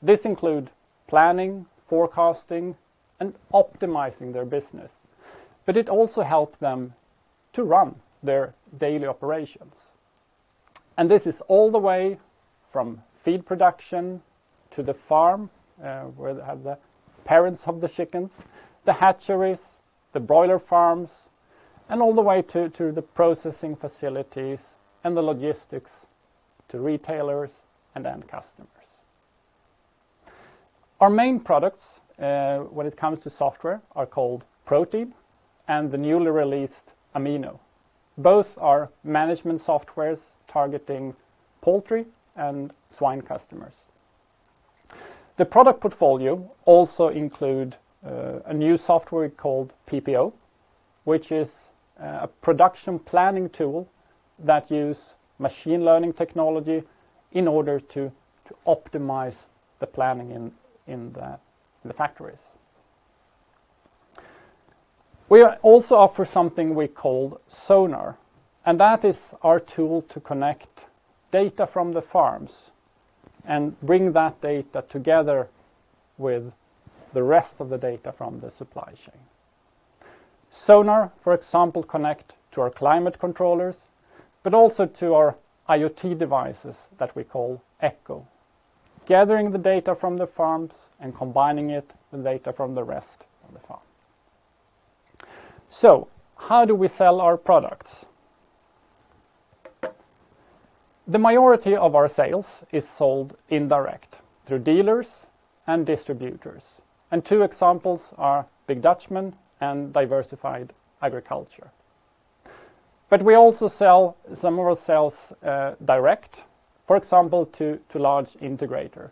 E: This include planning, forecasting, and optimizing their business. It also help them to run their daily operations. This is all the way from feed production to the farm, where they have the parents of the chickens, the hatcheries, the broiler farms, and all the way to the processing facilities and the logistics to retailers and end customers. Our main products, when it comes to software, are called Protean and the newly released Amino. Both are management softwares targeting poultry and swine customers. The product portfolio also include a new software called PPO, which is a production planning tool that use machine learning technology in order to optimize the planning in the factories. We also offer something we call Sonar. That is our tool to connect data from the farms and bring that data together with the rest of the data from the supply chain. Sonar, for example, connect to our climate controllers, but also to our IoT devices that we call Echo, gathering the data from the farms and combining it with data from the rest of the farm. How do we sell our products? The majority of our sales is sold indirect through dealers and distributors, and two examples are Big Dutchman and Diversified Agriculture. But, we also sell some of our sales direct, for example, to large integrator.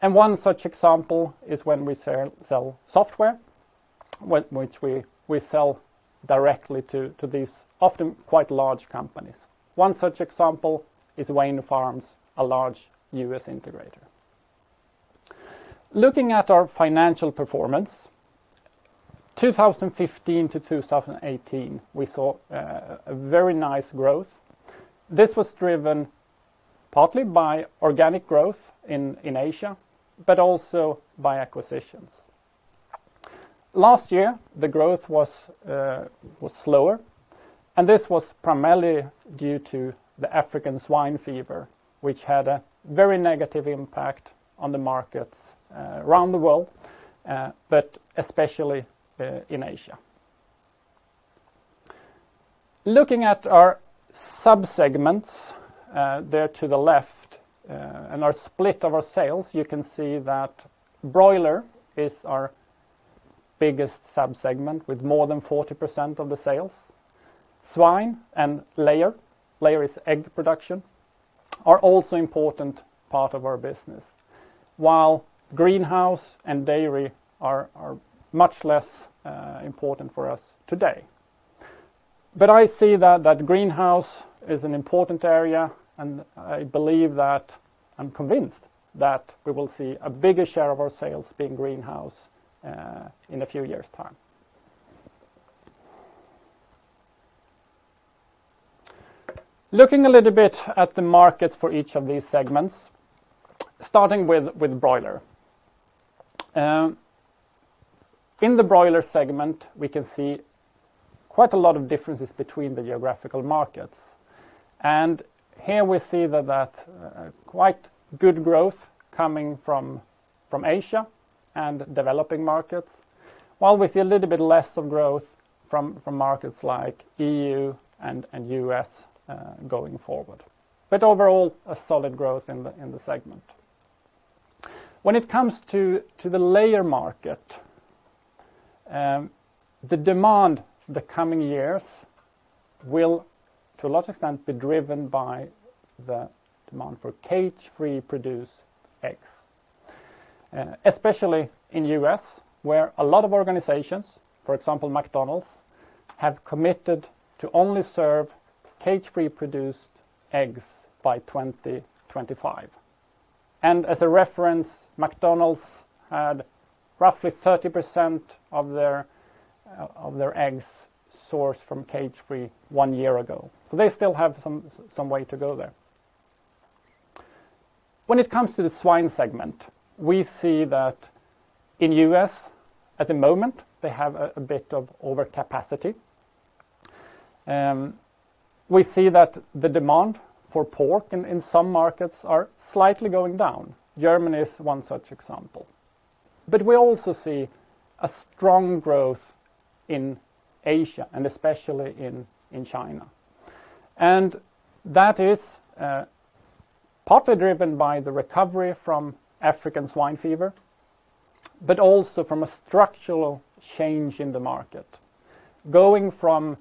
E: One such example is when we sell software, which we sell directly to these often quite large companies. One such example is Wayne Farms, a large U.S. integrator. Looking at our financial performance, 2015-2018, we saw a very nice growth. This was driven partly by organic growth in Asia, but also by acquisitions. Last year, the growth was slower, and this was primarily due to the African swine fever, which had a very negative impact on the markets around the world, but especially in Asia. Looking at our sub-segments, there to the left, and our split of our sales, you can see that broiler is our biggest sub-segment, with more than 40% of the sales. Swine and layer is egg production, are also important part of our business, while greenhouse and dairy are much less important for us today. I see that greenhouse is an important area, and I believe that I'm convinced that we will see a bigger share of our sales being greenhouse in a few years' time. Looking a little bit at the markets for each of these segments, starting with broiler. In the broiler segment, we can see quite a lot of differences between the geographical markets. Here we see that quite good growth coming from Asia and developing markets, while we see a little bit less of growth from markets like EU and U.S. going forward. Overall, a solid growth in the segment. When it comes to the layer market, the demand the coming years will, to a large extent, be driven by the demand for cage-free produced eggs, especially in U.S., where a lot of organizations, for example, McDonald's, have committed to only serve cage-free produced eggs by 2025. As a reference, McDonald's had roughly 30% of their eggs sourced from cage-free one year ago. They still have some way to go there. When it comes to the swine segment, we see that in U.S. at the moment, they have a bit of overcapacity. We see that the demand for pork in some markets are slightly going down. Germany is one such example. We also see a strong growth in Asia, and especially in China. That is partly driven by the recovery from African swine fever, but also from a structural change in the market, going from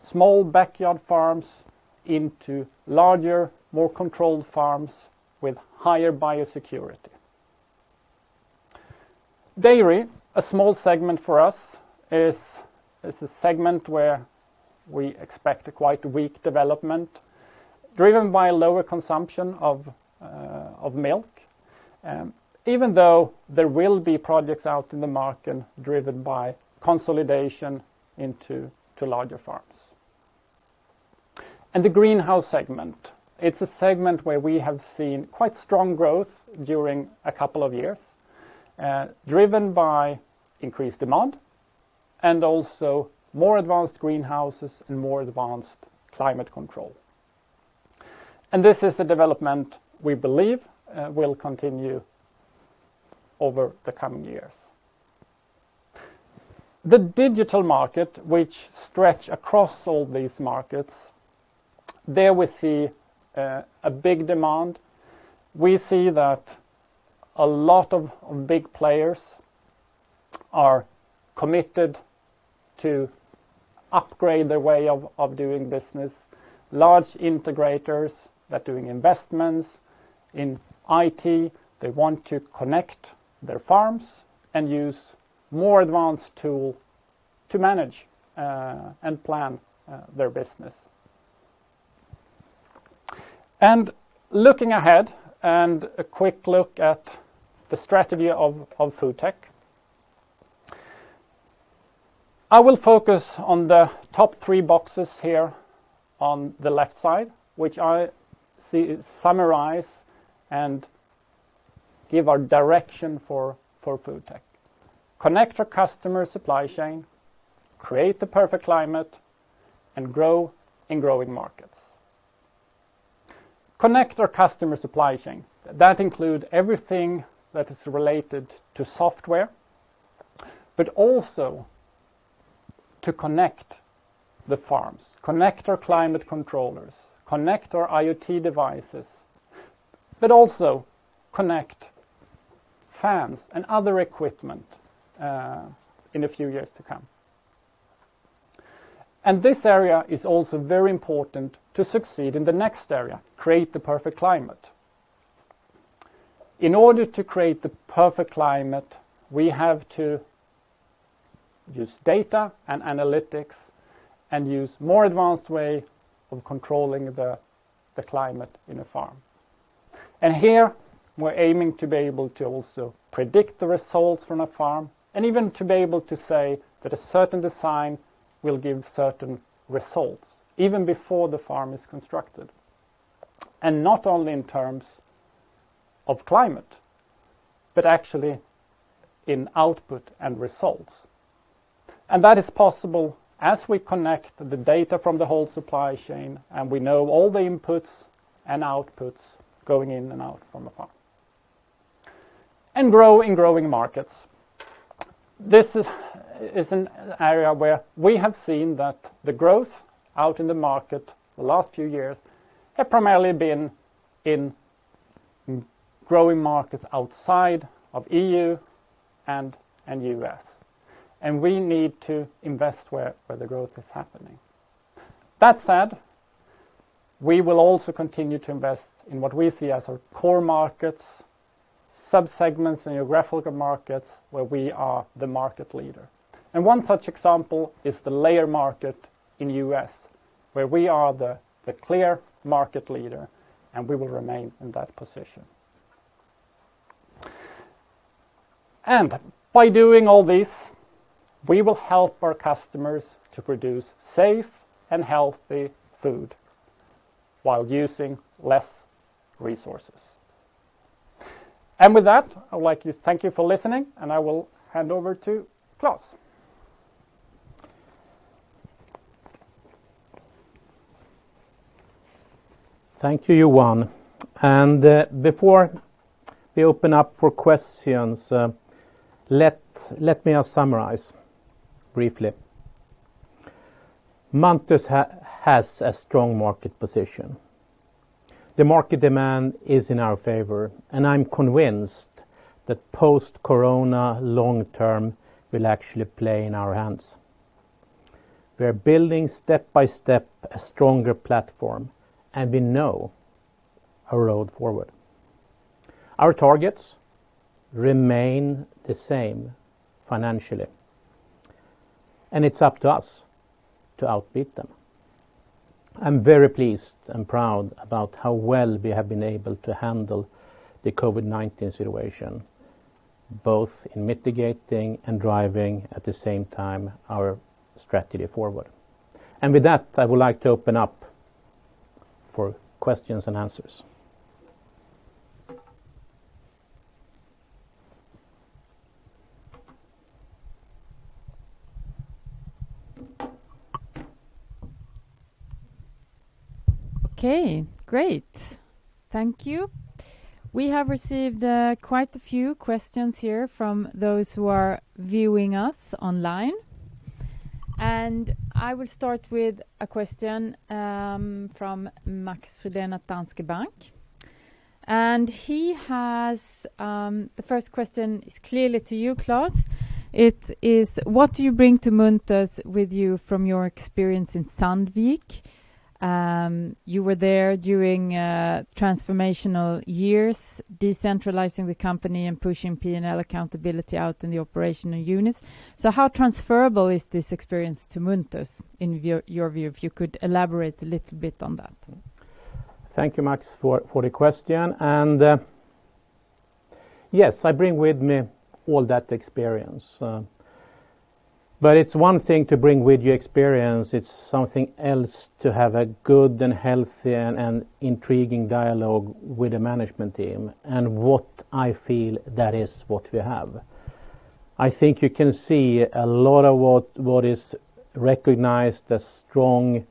E: small backyard farms into larger, more controlled farms with higher biosecurity. Dairy, a small segment for us, is a segment where we expect a quite weak development driven by a lower consumption of milk, even though there will be projects out in the market driven by consolidation into larger farms. The greenhouse segment, it's a segment where we have seen quite strong growth during a couple of years, driven by increased demand and also more advanced greenhouses and more advanced climate control. This is a development we believe will continue over the coming years. The digital market, which stretch across all these markets, there we see a big demand. We see that a lot of big players are committed to upgrade their way of doing business. Large integrators that are doing investments in IT, they want to connect their farms and use more advanced tool to manage and plan their business. Looking ahead, and a quick look at the strategy of FoodTech. I will focus on the top three boxes here on the left side, which I summarize and give our direction for FoodTech. Connect our customer supply chain, create the perfect climate, and grow in growing markets. Connect our customer supply chain. That include everything that is related to software, but also to connect the farms, connect our climate controllers, connect our IoT devices, but also connect fans and other equipment in the few years to come. This area is also very important to succeed in the next area, create the perfect climate. In order to create the perfect climate, we have to use data and analytics and use more advanced way of controlling the climate in a farm. Here we're aiming to be able to also predict the results from a farm and even to be able to say that a certain design will give certain results even before the farm is constructed, and not only in terms of climate, but actually in output and results. That is possible as we connect the data from the whole supply chain and we know all the inputs and outputs going in and out from the farm. Grow in growing markets. This is an area where we have seen that the growth out in the market the last few years have primarily been in growing markets outside of EU and U.S. We need to invest where the growth is happening. That said, we will also continue to invest in what we see as our core markets, subsegments in geographical markets where we are the market leader. One such example is the layer market in U.S., where we are the clear market leader, and we will remain in that position. By doing all this, we will help our customers to produce safe and healthy food while using less resources. With that, I'd like to thank you for listening, and I will hand over to Klas.
B: Thank you, Johan. Before we open up for questions, let me summarize briefly. Munters has a strong market position. The market demand is in our favor, and I'm convinced that post-corona long term will actually play in our hands. We are building step by step a stronger platform, and we know our road forward. Our targets remain the same financially. It's up to us to outwit them. I'm very pleased and proud about how well we have been able to handle the COVID-19 situation, both in mitigating and driving, at the same time, our strategy forward. With that, I would like to open up for questions and answers.
A: Okay, great. Thank you. We have received quite a few questions here from those who are viewing us online. I will start with a question from Max Frydén at Danske Bank. The first question is clearly to you, Klas. It is: What do you bring to Munters with you from your experience in Sandvik? You were there during transformational years, decentralizing the company and pushing P&L accountability out in the operational units. How transferable is this experience to Munters in your view? If you could elaborate a little bit on that.
B: Thank you, Max, for the question. Yes, I bring with me all that experience. It's one thing to bring with you experience, it's something else to have a good and healthy and intriguing dialogue with the management team, and what I feel that is what we have. I think you can see a lot of what is recognized as strong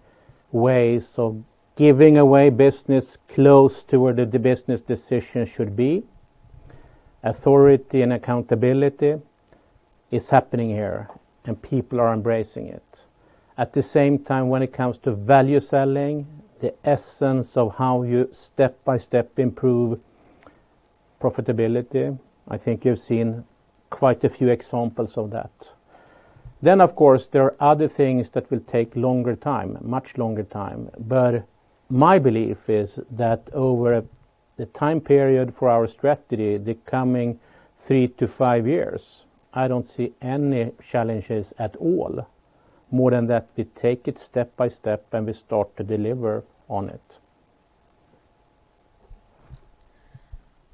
B: ways of giving away business close to where the business decision should be. Authority and accountability is happening here, and people are embracing it. At the same time, when it comes to value selling, the essence of how you step by step improve profitability, I think you've seen quite a few examples of that. Of course, there are other things that will take longer time, much longer time. My belief is that over the time period for our strategy, the coming three to five years, I don't see any challenges at all, more than that we take it step by step, and we start to deliver on it.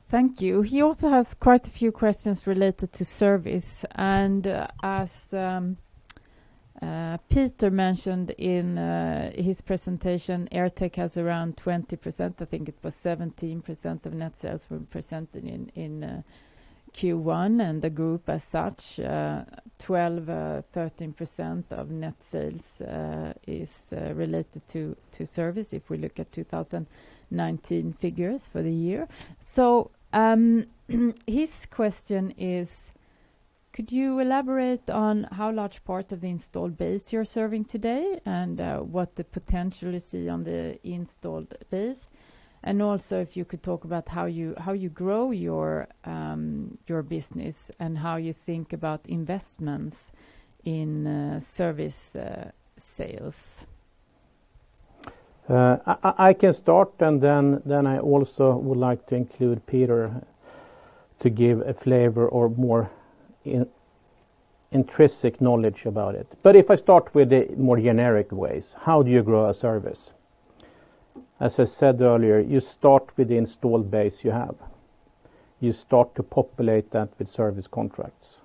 A: Thank you. He also has quite a few questions related to service, as Peter mentioned in his presentation, AirTech has around 20%, I think it was 17% of net sales were presented in Q1. The group as such, 12%, 13% of net sales is related to service, if we look at 2019 figures for the year. His question is: Could you elaborate on how large part of the installed base you're serving today, and what the potential is on the installed base? Also, if you could talk about how you grow your business, and how you think about investments in service sales.
B: I can start, and then I also would like to include Peter to give a flavor or more intrinsic knowledge about it. If I start with the more generic ways, how do you grow a service? As I said earlier, you start with the installed base you have. You start to populate that with service contracts.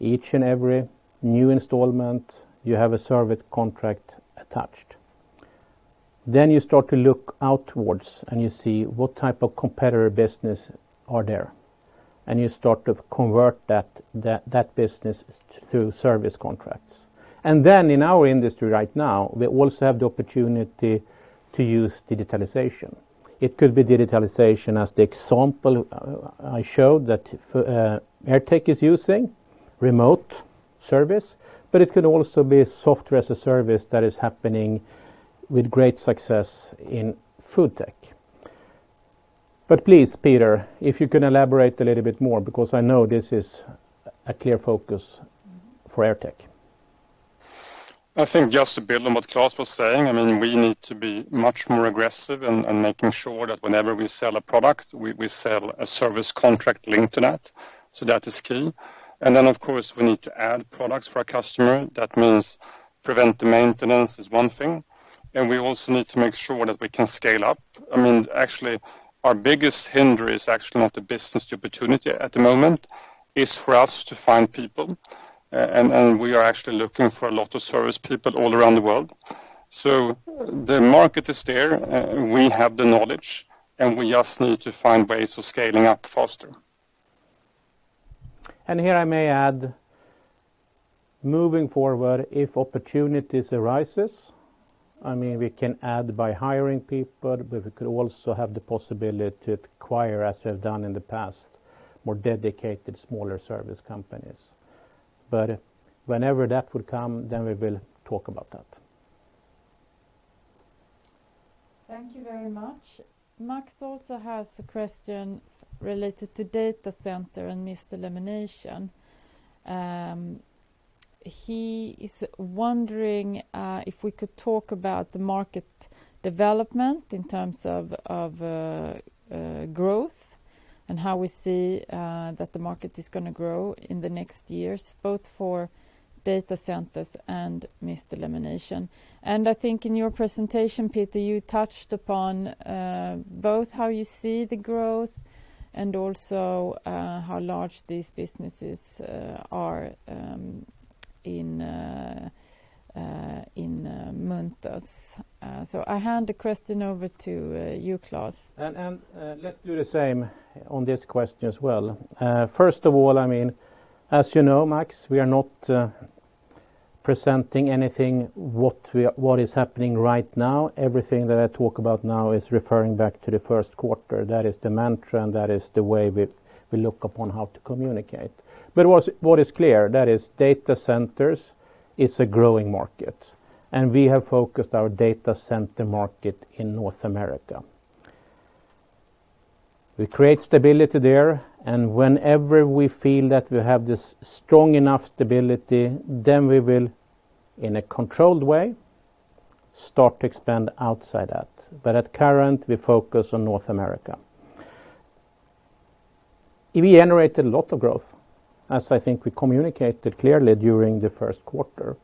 B: Each and every new installment, you have a service contract attached. You start to look outwards, and you see what type of competitor business are there, and you start to convert that business through service contracts. In our industry right now, we also have the opportunity to use digitalization. It could be digitalization as the example I showed that AirTech is using, remote service, but it could also be software as a service that is happening with great success in FoodTech. But please, Peter, if you can elaborate a little bit more because I know this is a clear focus for AirTech.
D: I think just to build on what Klas was saying, we need to be much more aggressive in making sure that whenever we sell a product, we sell a service contract linked to that. That is key. Of course, we need to add products for our customer. That means preventive maintenance is one thing, and we also need to make sure that we can scale up. Actually, our biggest hinder is actually not the business opportunity at the moment, is for us to find people, and we are actually looking for a lot of service people all around the world. The market is there. We have the knowledge, and we just need to find ways of scaling up faster.
B: Here I may add, moving forward, if opportunities arises, we can add by hiring people, but we could also have the possibility to acquire, as we have done in the past, more dedicated smaller service companies. Whenever that would come, then we will talk about that.
A: Thank you very much. Max also has a question related to data center and mist elimination. He is wondering if we could talk about the market development in terms of growth. How we see that the market is going to grow in the next years, both for data centers and mist elimination? I think in your presentation, Peter, you touched upon both how you see the growth and also how large these businesses are in Munters? I hand the question over to you, Klas.
B: Let's do the same on this question as well. First of all, as you know, Max, we are not presenting anything what is happening right now. Everything that I talk about now is referring back to the first quarter. That is the mantra, and that is the way we look upon how to communicate. What is clear, that is data centers is a growing market, and we have focused our data center market in North America. We create stability there, and whenever we feel that we have this strong enough stability, then we will, in a controlled way, start to expand outside that. At current, we focus on North America. We generated a lot of growth, as I think we communicated clearly during the first quarter.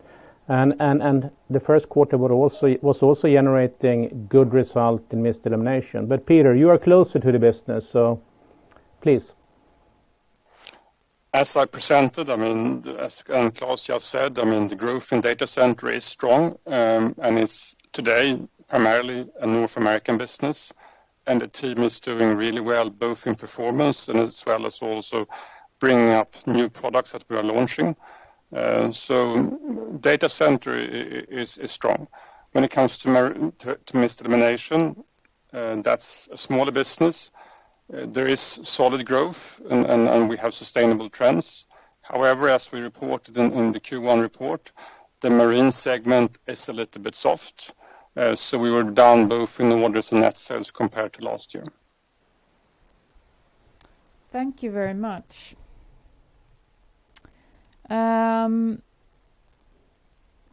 B: The first quarter was also generating good result in mist elimination. Peter, you are closer to the business, so please.
D: As I presented, as Klas just said, the growth in data center is strong, and it's today primarily a North American business, and the team is doing really well, both in performance and as well as also bringing up new products that we are launching. Data center is strong. When it comes to mist elimination, that's a smaller business. There is solid growth, and we have sustainable trends. However, as we reported in the Q1 report, the marine segment is a little bit soft. We were down both in orders and net sales compared to last year.
A: Thank you very much.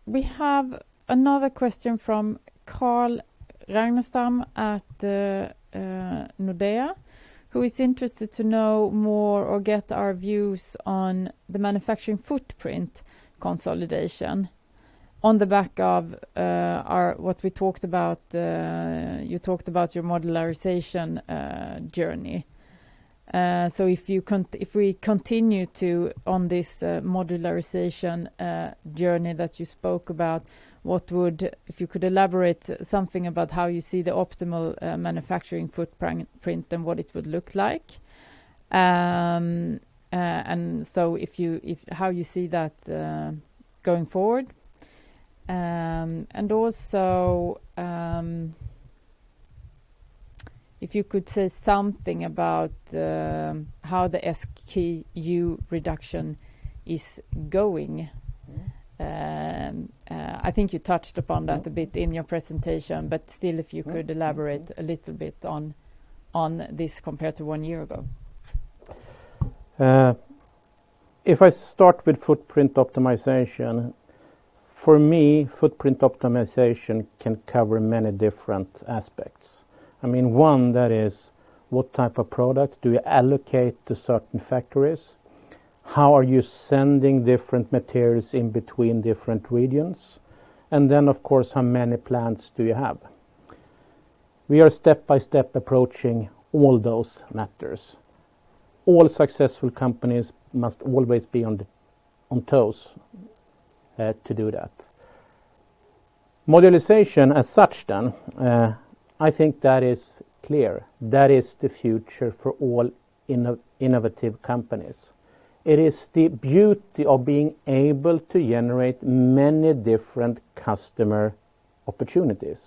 A: We have another question from Carl Ragnerstam at Nordea, who is interested to know more or get our views on the manufacturing footprint consolidation on the back of what we talked about, you talked about your modularization journey. If we continue on this modularization journey that you spoke about, if you could elaborate something about how you see the optimal manufacturing footprint and what it would look like. How you see that going forward? If you could say something about how the SKU reduction is going. I think you touched upon that a bit in your presentation, but still, if you could elaborate a little bit on this compared to one year ago.
B: If I start with footprint optimization, for me, footprint optimization can cover many different aspects. One, that is what type of products do you allocate to certain factories? How are you sending different materials in between different regions? And then, of course, how many plants do you have? We are step by step approaching all those matters. All successful companies must always be on toes to do that. Modularization as such then, I think that is clear. That is the future for all innovative companies. It is the beauty of being able to generate many different customer opportunities,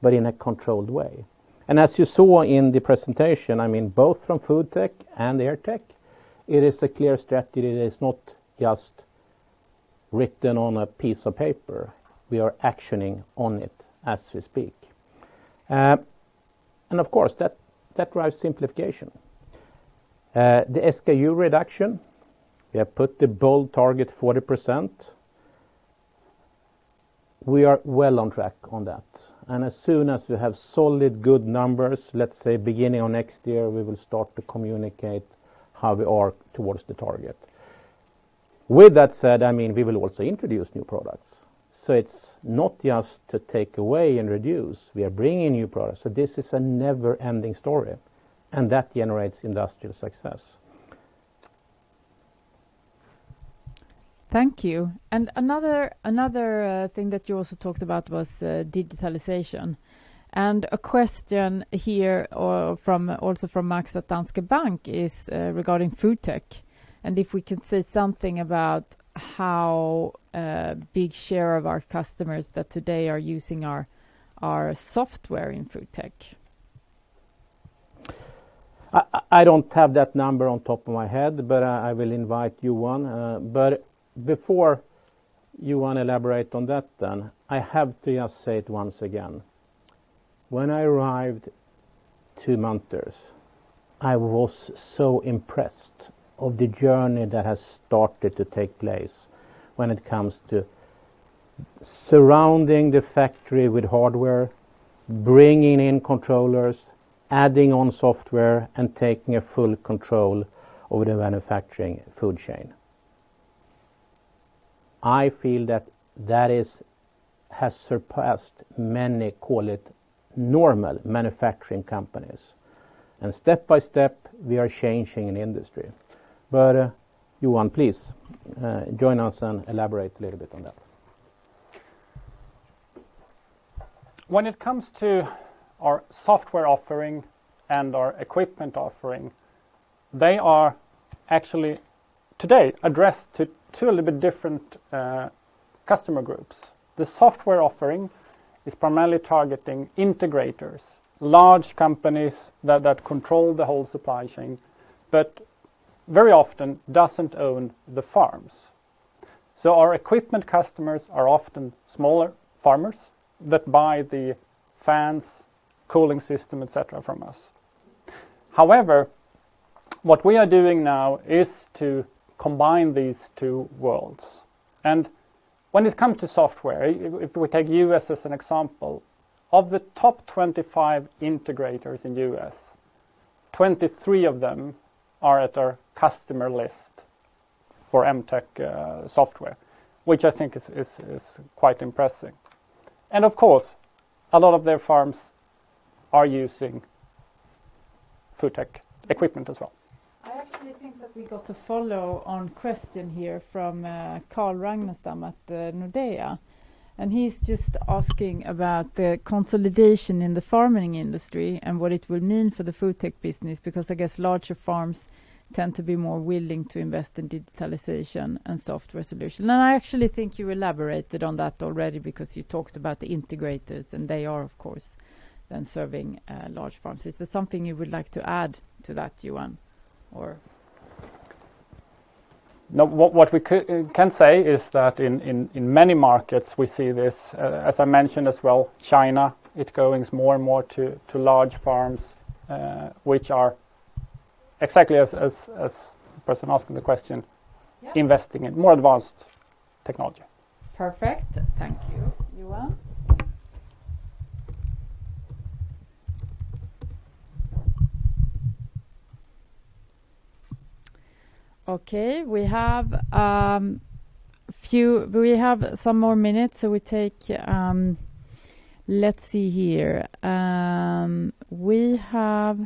B: but in a controlled way. As you saw in the presentation, both from FoodTech and AirTech, it is a clear strategy. It is not just written on a piece of paper. We are actioning on it as we speak. Of course, that drives simplification. The SKU reduction, we have put the bold target 40%. We are well on track on that. As soon as we have solid, good numbers, let's say beginning of next year, we will start to communicate how we are towards the target. With that said, we will also introduce new products. It's not just to take away and reduce. We are bringing new products. This is a never-ending story, and that generates industrial success.
A: Thank you. Another thing that you also talked about was digitalization. A question here also from Max at Danske Bank is regarding FoodTech, and if we can say something about how big share of our customers that today are using our software in FoodTech?
B: I don't have that number on top of my head, I will invite Johan. Before Johan elaborate on that then, I have to just say it once again. When I arrived to Munters, I was so impressed of the journey that has started to take place when it comes to surrounding the factory with hardware, bringing in controllers, adding on software, and taking a full control over the manufacturing food chain. I feel that has surpassed many, call it, normal manufacturing companies. Step by step, we are changing an industry. Johan, please, join us and elaborate a little bit on that.
E: When it comes to our software offering and our equipment offering, they are actually today addressed to two little bit different customer groups. The software offering is primarily targeting integrators, large companies that control the whole supply chain, but very often doesn't own the farms. Our equipment customers are often smaller farmers that buy the fans, cooling system, et cetera, from us. However, what we are doing now is to combine these two worlds. When it comes to software, if we take U.S. as an example, of the top 25 integrators in U.S., 23 of them are at our customer list for MTech software, which I think is quite impressive. Of course, a lot of their farms are using FoodTech equipment as well.
A: I actually think that we got a follow-on question here from Carl Ragnerstam at Nordea. He's just asking about the consolidation in the farming industry and what it will mean for the FoodTech business, because I guess larger farms tend to be more willing to invest in digitalization and software solution. I actually think you elaborated on that already because you talked about the integrators, and they are of course then serving large farms. Is there something you would like to add to that, Johan, or?
E: No, what we can say is that in many markets we see this, as I mentioned as well, China, it going more and more to large farms, which are exactly as the person asking the question.
A: Yeah
E: investing in more advanced technology.
A: Perfect. Thank you, Johan. Okay, we have some more minutes, so we take, let's see here. We have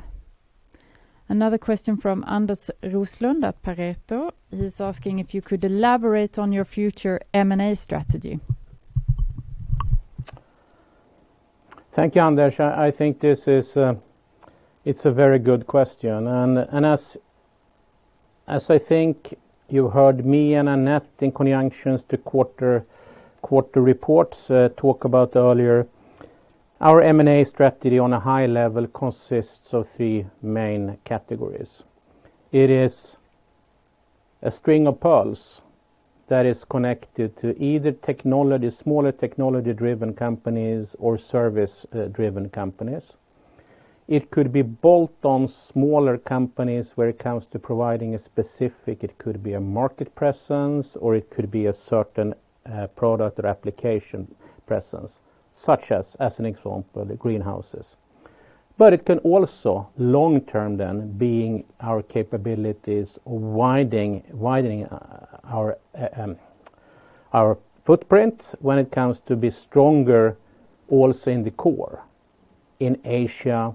A: another question from Anders Roslund at Pareto. He's asking if you could elaborate on your future M&A strategy.
B: Thank you, Anders. I think this is a very good question. As I think you heard me and Annette in conjunction to quarter reports talk about earlier, our M&A strategy on a high level consists of three main categories. It is a string of pearls that is connected to either smaller technology-driven companies or service-driven companies. It could be bolt-on smaller companies where it comes to providing a specific, it could be a market presence, or it could be a certain product or application presence, such as, an example, the greenhouses. It can also long term then being our capabilities widening our footprint when it comes to be stronger also in the core in Asia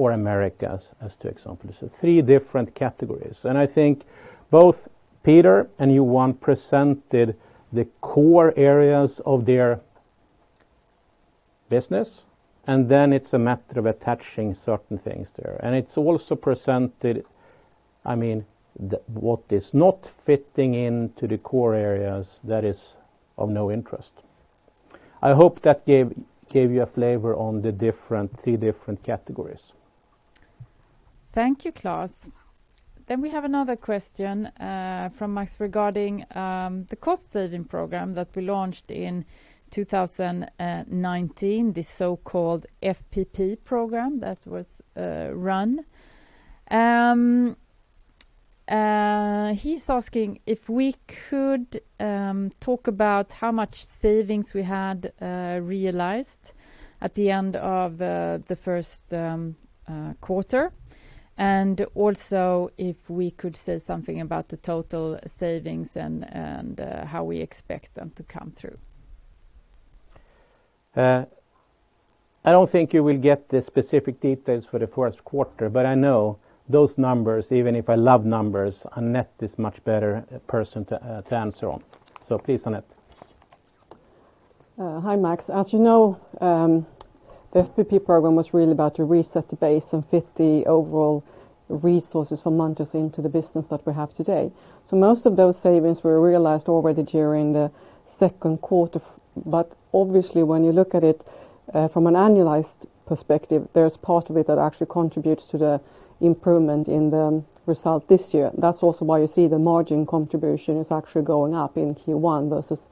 B: or Americas as two examples. Three different categories. I think both Peter and Johan presented the core areas of their business, and then it's a matter of attaching certain things there. It's also presented, what is not fitting into the core areas, that is of no interest. I hope that gave you a flavor on the three different categories.
A: Thank you, Klas. We have another question from Max regarding the cost-saving program that we launched in 2019, the so-called FPP program that was run. He's asking: If we could talk about how much savings we had realized at the end of the first quarter, and also if we could say something about the total savings and how we expect them to come through?
B: I don't think you will get the specific details for the first quarter, but I know those numbers, even if I love numbers, Annette is much better person to answer on. Please, Annette.
C: Hi, Max. As you know, the FPP program was really about to reset the base and fit the overall resources for Munters into the business that we have today. Most of those savings were realized already during the second quarter, but obviously when you look at it from an annualized perspective, there's part of it that actually contributes to the improvement in the result this year. That's also why you see the margin contribution is actually going up in Q1 versus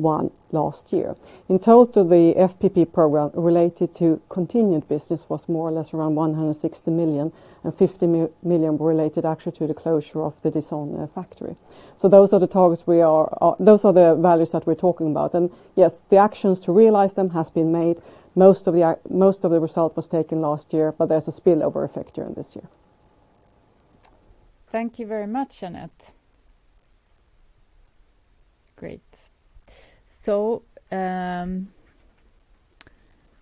C: Q1 last year. In total, the FPP program related to continued business was more or less around 160 million, and 50 million related actually to the closure of the Dison factory. Those are the values that we're talking about. Yes, the actions to realize them has been made. Most of the result was taken last year, but there's a spillover effect during this year.
A: Thank you very much, Annette, great.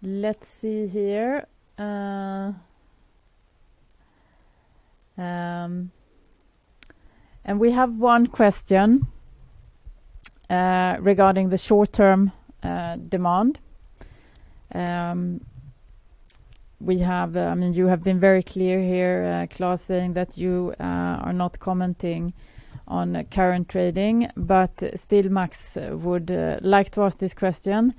A: Let's see here. We have one question regarding the short-term demand. You have been very clear here, Klas, saying that you are not commenting on current trading, but still Max would like to ask this question.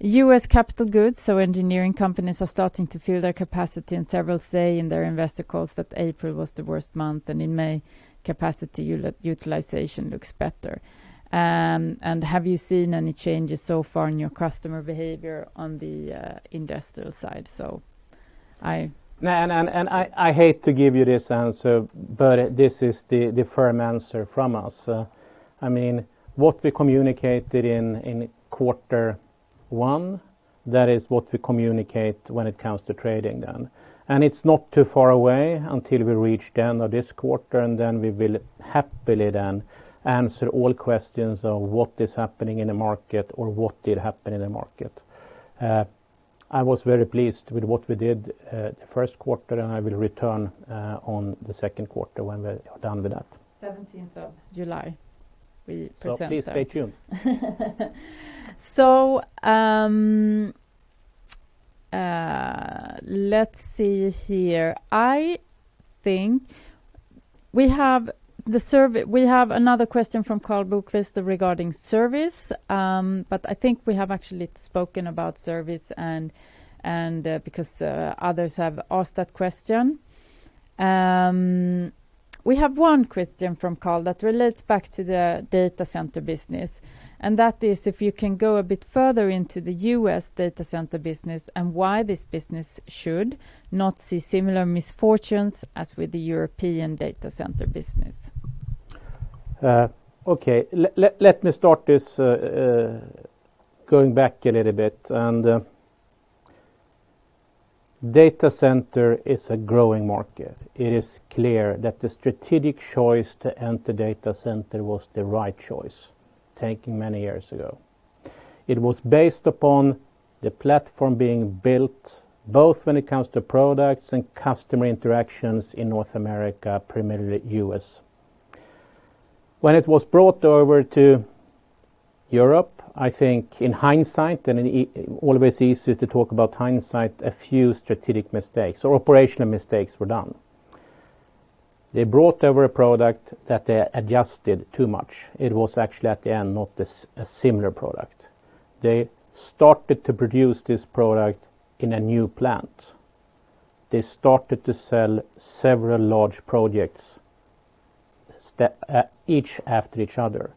A: U.S. capital goods, so engineering companies are starting to feel their capacity, and several say in their investor calls that April was the worst month, and in May, capacity utilization looks better. Have you seen any changes so far in your customer behavior on the industrial side?
B: No, I hate to give you this answer, but this is the firm answer from us. What we communicated in quarter one, that is what we communicate when it comes to trading then. It's not too far away until we reach the end of this quarter, and then we will happily then answer all questions of what is happening in the market or what did happen in the market. I was very pleased with what we did the first quarter, and I will return on the second quarter when we're done with that.
A: 17th of July we present that.
B: Please stay tuned.
A: Let's see here. We have another question from Karl Bokvist regarding service. I think we have actually spoken about service and because others have asked that question. We have one question from Carl that relates back to the data center business. That is if you can go a bit further into the U.S. data center business and why this business should not see similar misfortunes as with the European data center business.
B: Okay. Let me start this going back a little bit. Data center is a growing market. It is clear that the strategic choice to enter data center was the right choice taken many years ago. It was based upon the platform being built both when it comes to products and customer interactions in North America, primarily U.S. When it was brought over to Europe, I think in hindsight, and always easy to talk about hindsight, a few strategic mistakes or operational mistakes were done. They brought over a product that they adjusted too much. It was actually at the end, not a similar product. They started to produce this product in a new plant. They started to sell several large projects, each after each other.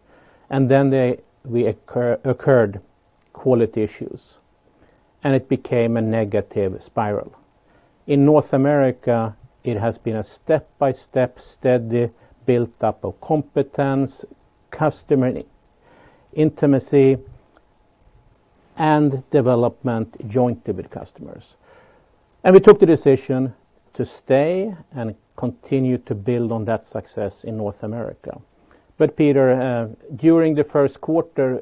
B: Occurred quality issues, and it became a negative spiral. In North America, it has been a step-by-step steady build-up of competence, customer intimacy, and development jointly with customers. We took the decision to stay and continue to build on that success in North America. Peter, during the first quarter,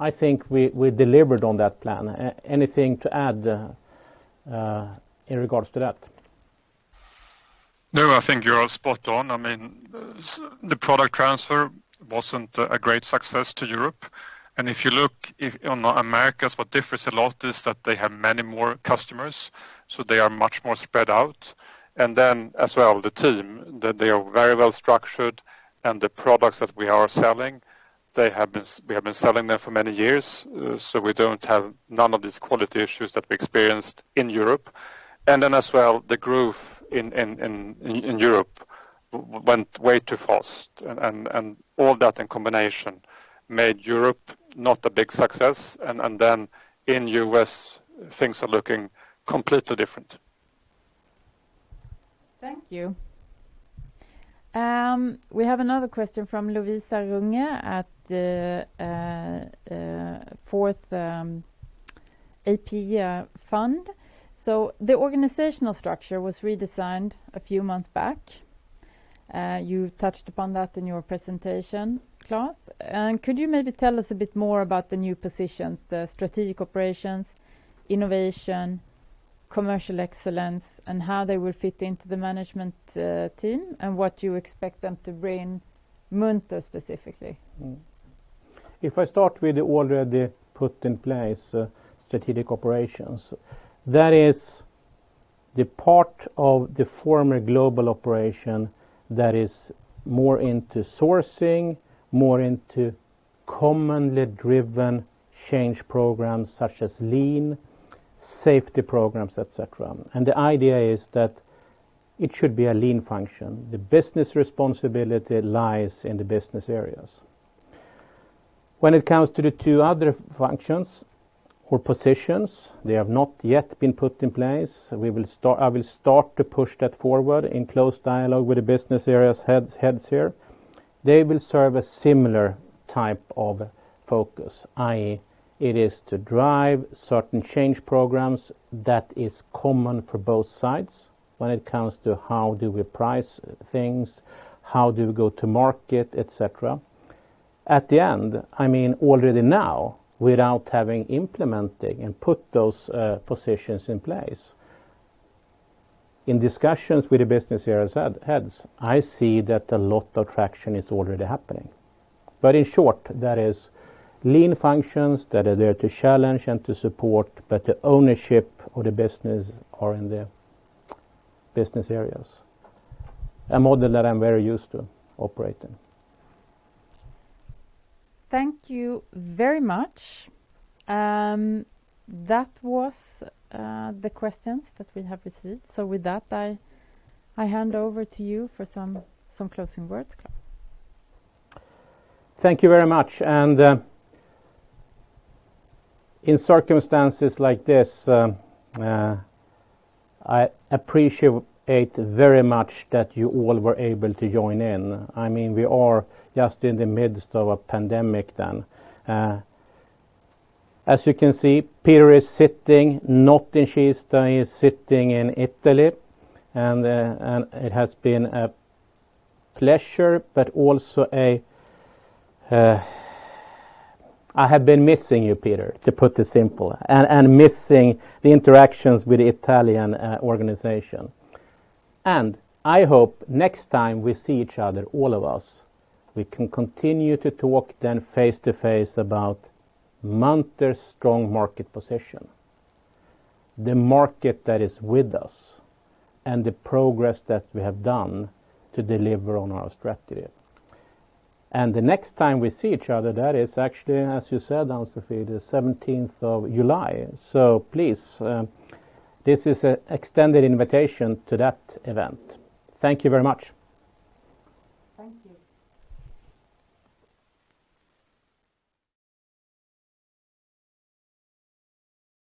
B: I think we delivered on that plan. Anything to add in regards to that?
D: No, I think you are spot on. The product transfer wasn't a great success to Europe. If you look on Americas, what differs a lot is that they have many more customers, so they are much more spread out. The team, they are very well structured, and the products that we are selling, we have been selling them for many years, so we don't have none of these quality issues that we experienced in Europe. The growth in Europe went way too fast, and all that in combination made Europe not a big success, and then in U.S., things are looking completely different.
A: Thank you. We have another question from Lovisa Runge at Fourth AP Fund. The organizational structure was redesigned a few months back. You touched upon that in your presentation, Klas. Could you maybe tell us a bit more about the new positions, the strategic operations, innovation, commercial excellence, and how they will fit into the management team and what you expect them to bring Munters specifically?
B: If I start with the already put in place strategic operations, that is the part of the former global operation that is more into sourcing, more into commonly driven change programs such as lean, safety programs, et cetera. The idea is that it should be a lean function. The business responsibility lies in the business areas. When it comes to the two other functions or positions, they have not yet been put in place. I will start to push that forward in close dialogue with the business areas heads here. They will serve a similar type of focus, i.e., it is to drive certain change programs that is common for both sides when it comes to how do we price things, how do we go to market, et cetera. At the end, already now, without having implemented and put those positions in place, in discussions with the business area heads, I see that a lot of traction is already happening. In short, that is lean functions that are there to challenge and to support, but the ownership of the business are in the business areas, a model that I'm very used to operating.
A: Thank you very much. That was the questions that we have received. With that, I hand over to you for some closing words, Klas.
B: Thank you very much. In circumstances like this, I appreciate very much that you all were able to join in. We are just in the midst of a pandemic then. As you can see, Peter is sitting not in Kista, he's sitting in Italy, and it has been a pleasure, but also I have been missing you, Peter, to put this simple, and missing the interactions with the Italian organization. I hope next time we see each other, all of us, we can continue to talk then face-to-face about Munters' strong market position, the market that is with us, and the progress that we have done to deliver on our strategy. The next time we see each other, that is actually, as you said, Ann-Sofi, the July 17th. Please, this is an extended invitation to that event. Thank you very much.
A: Thank you.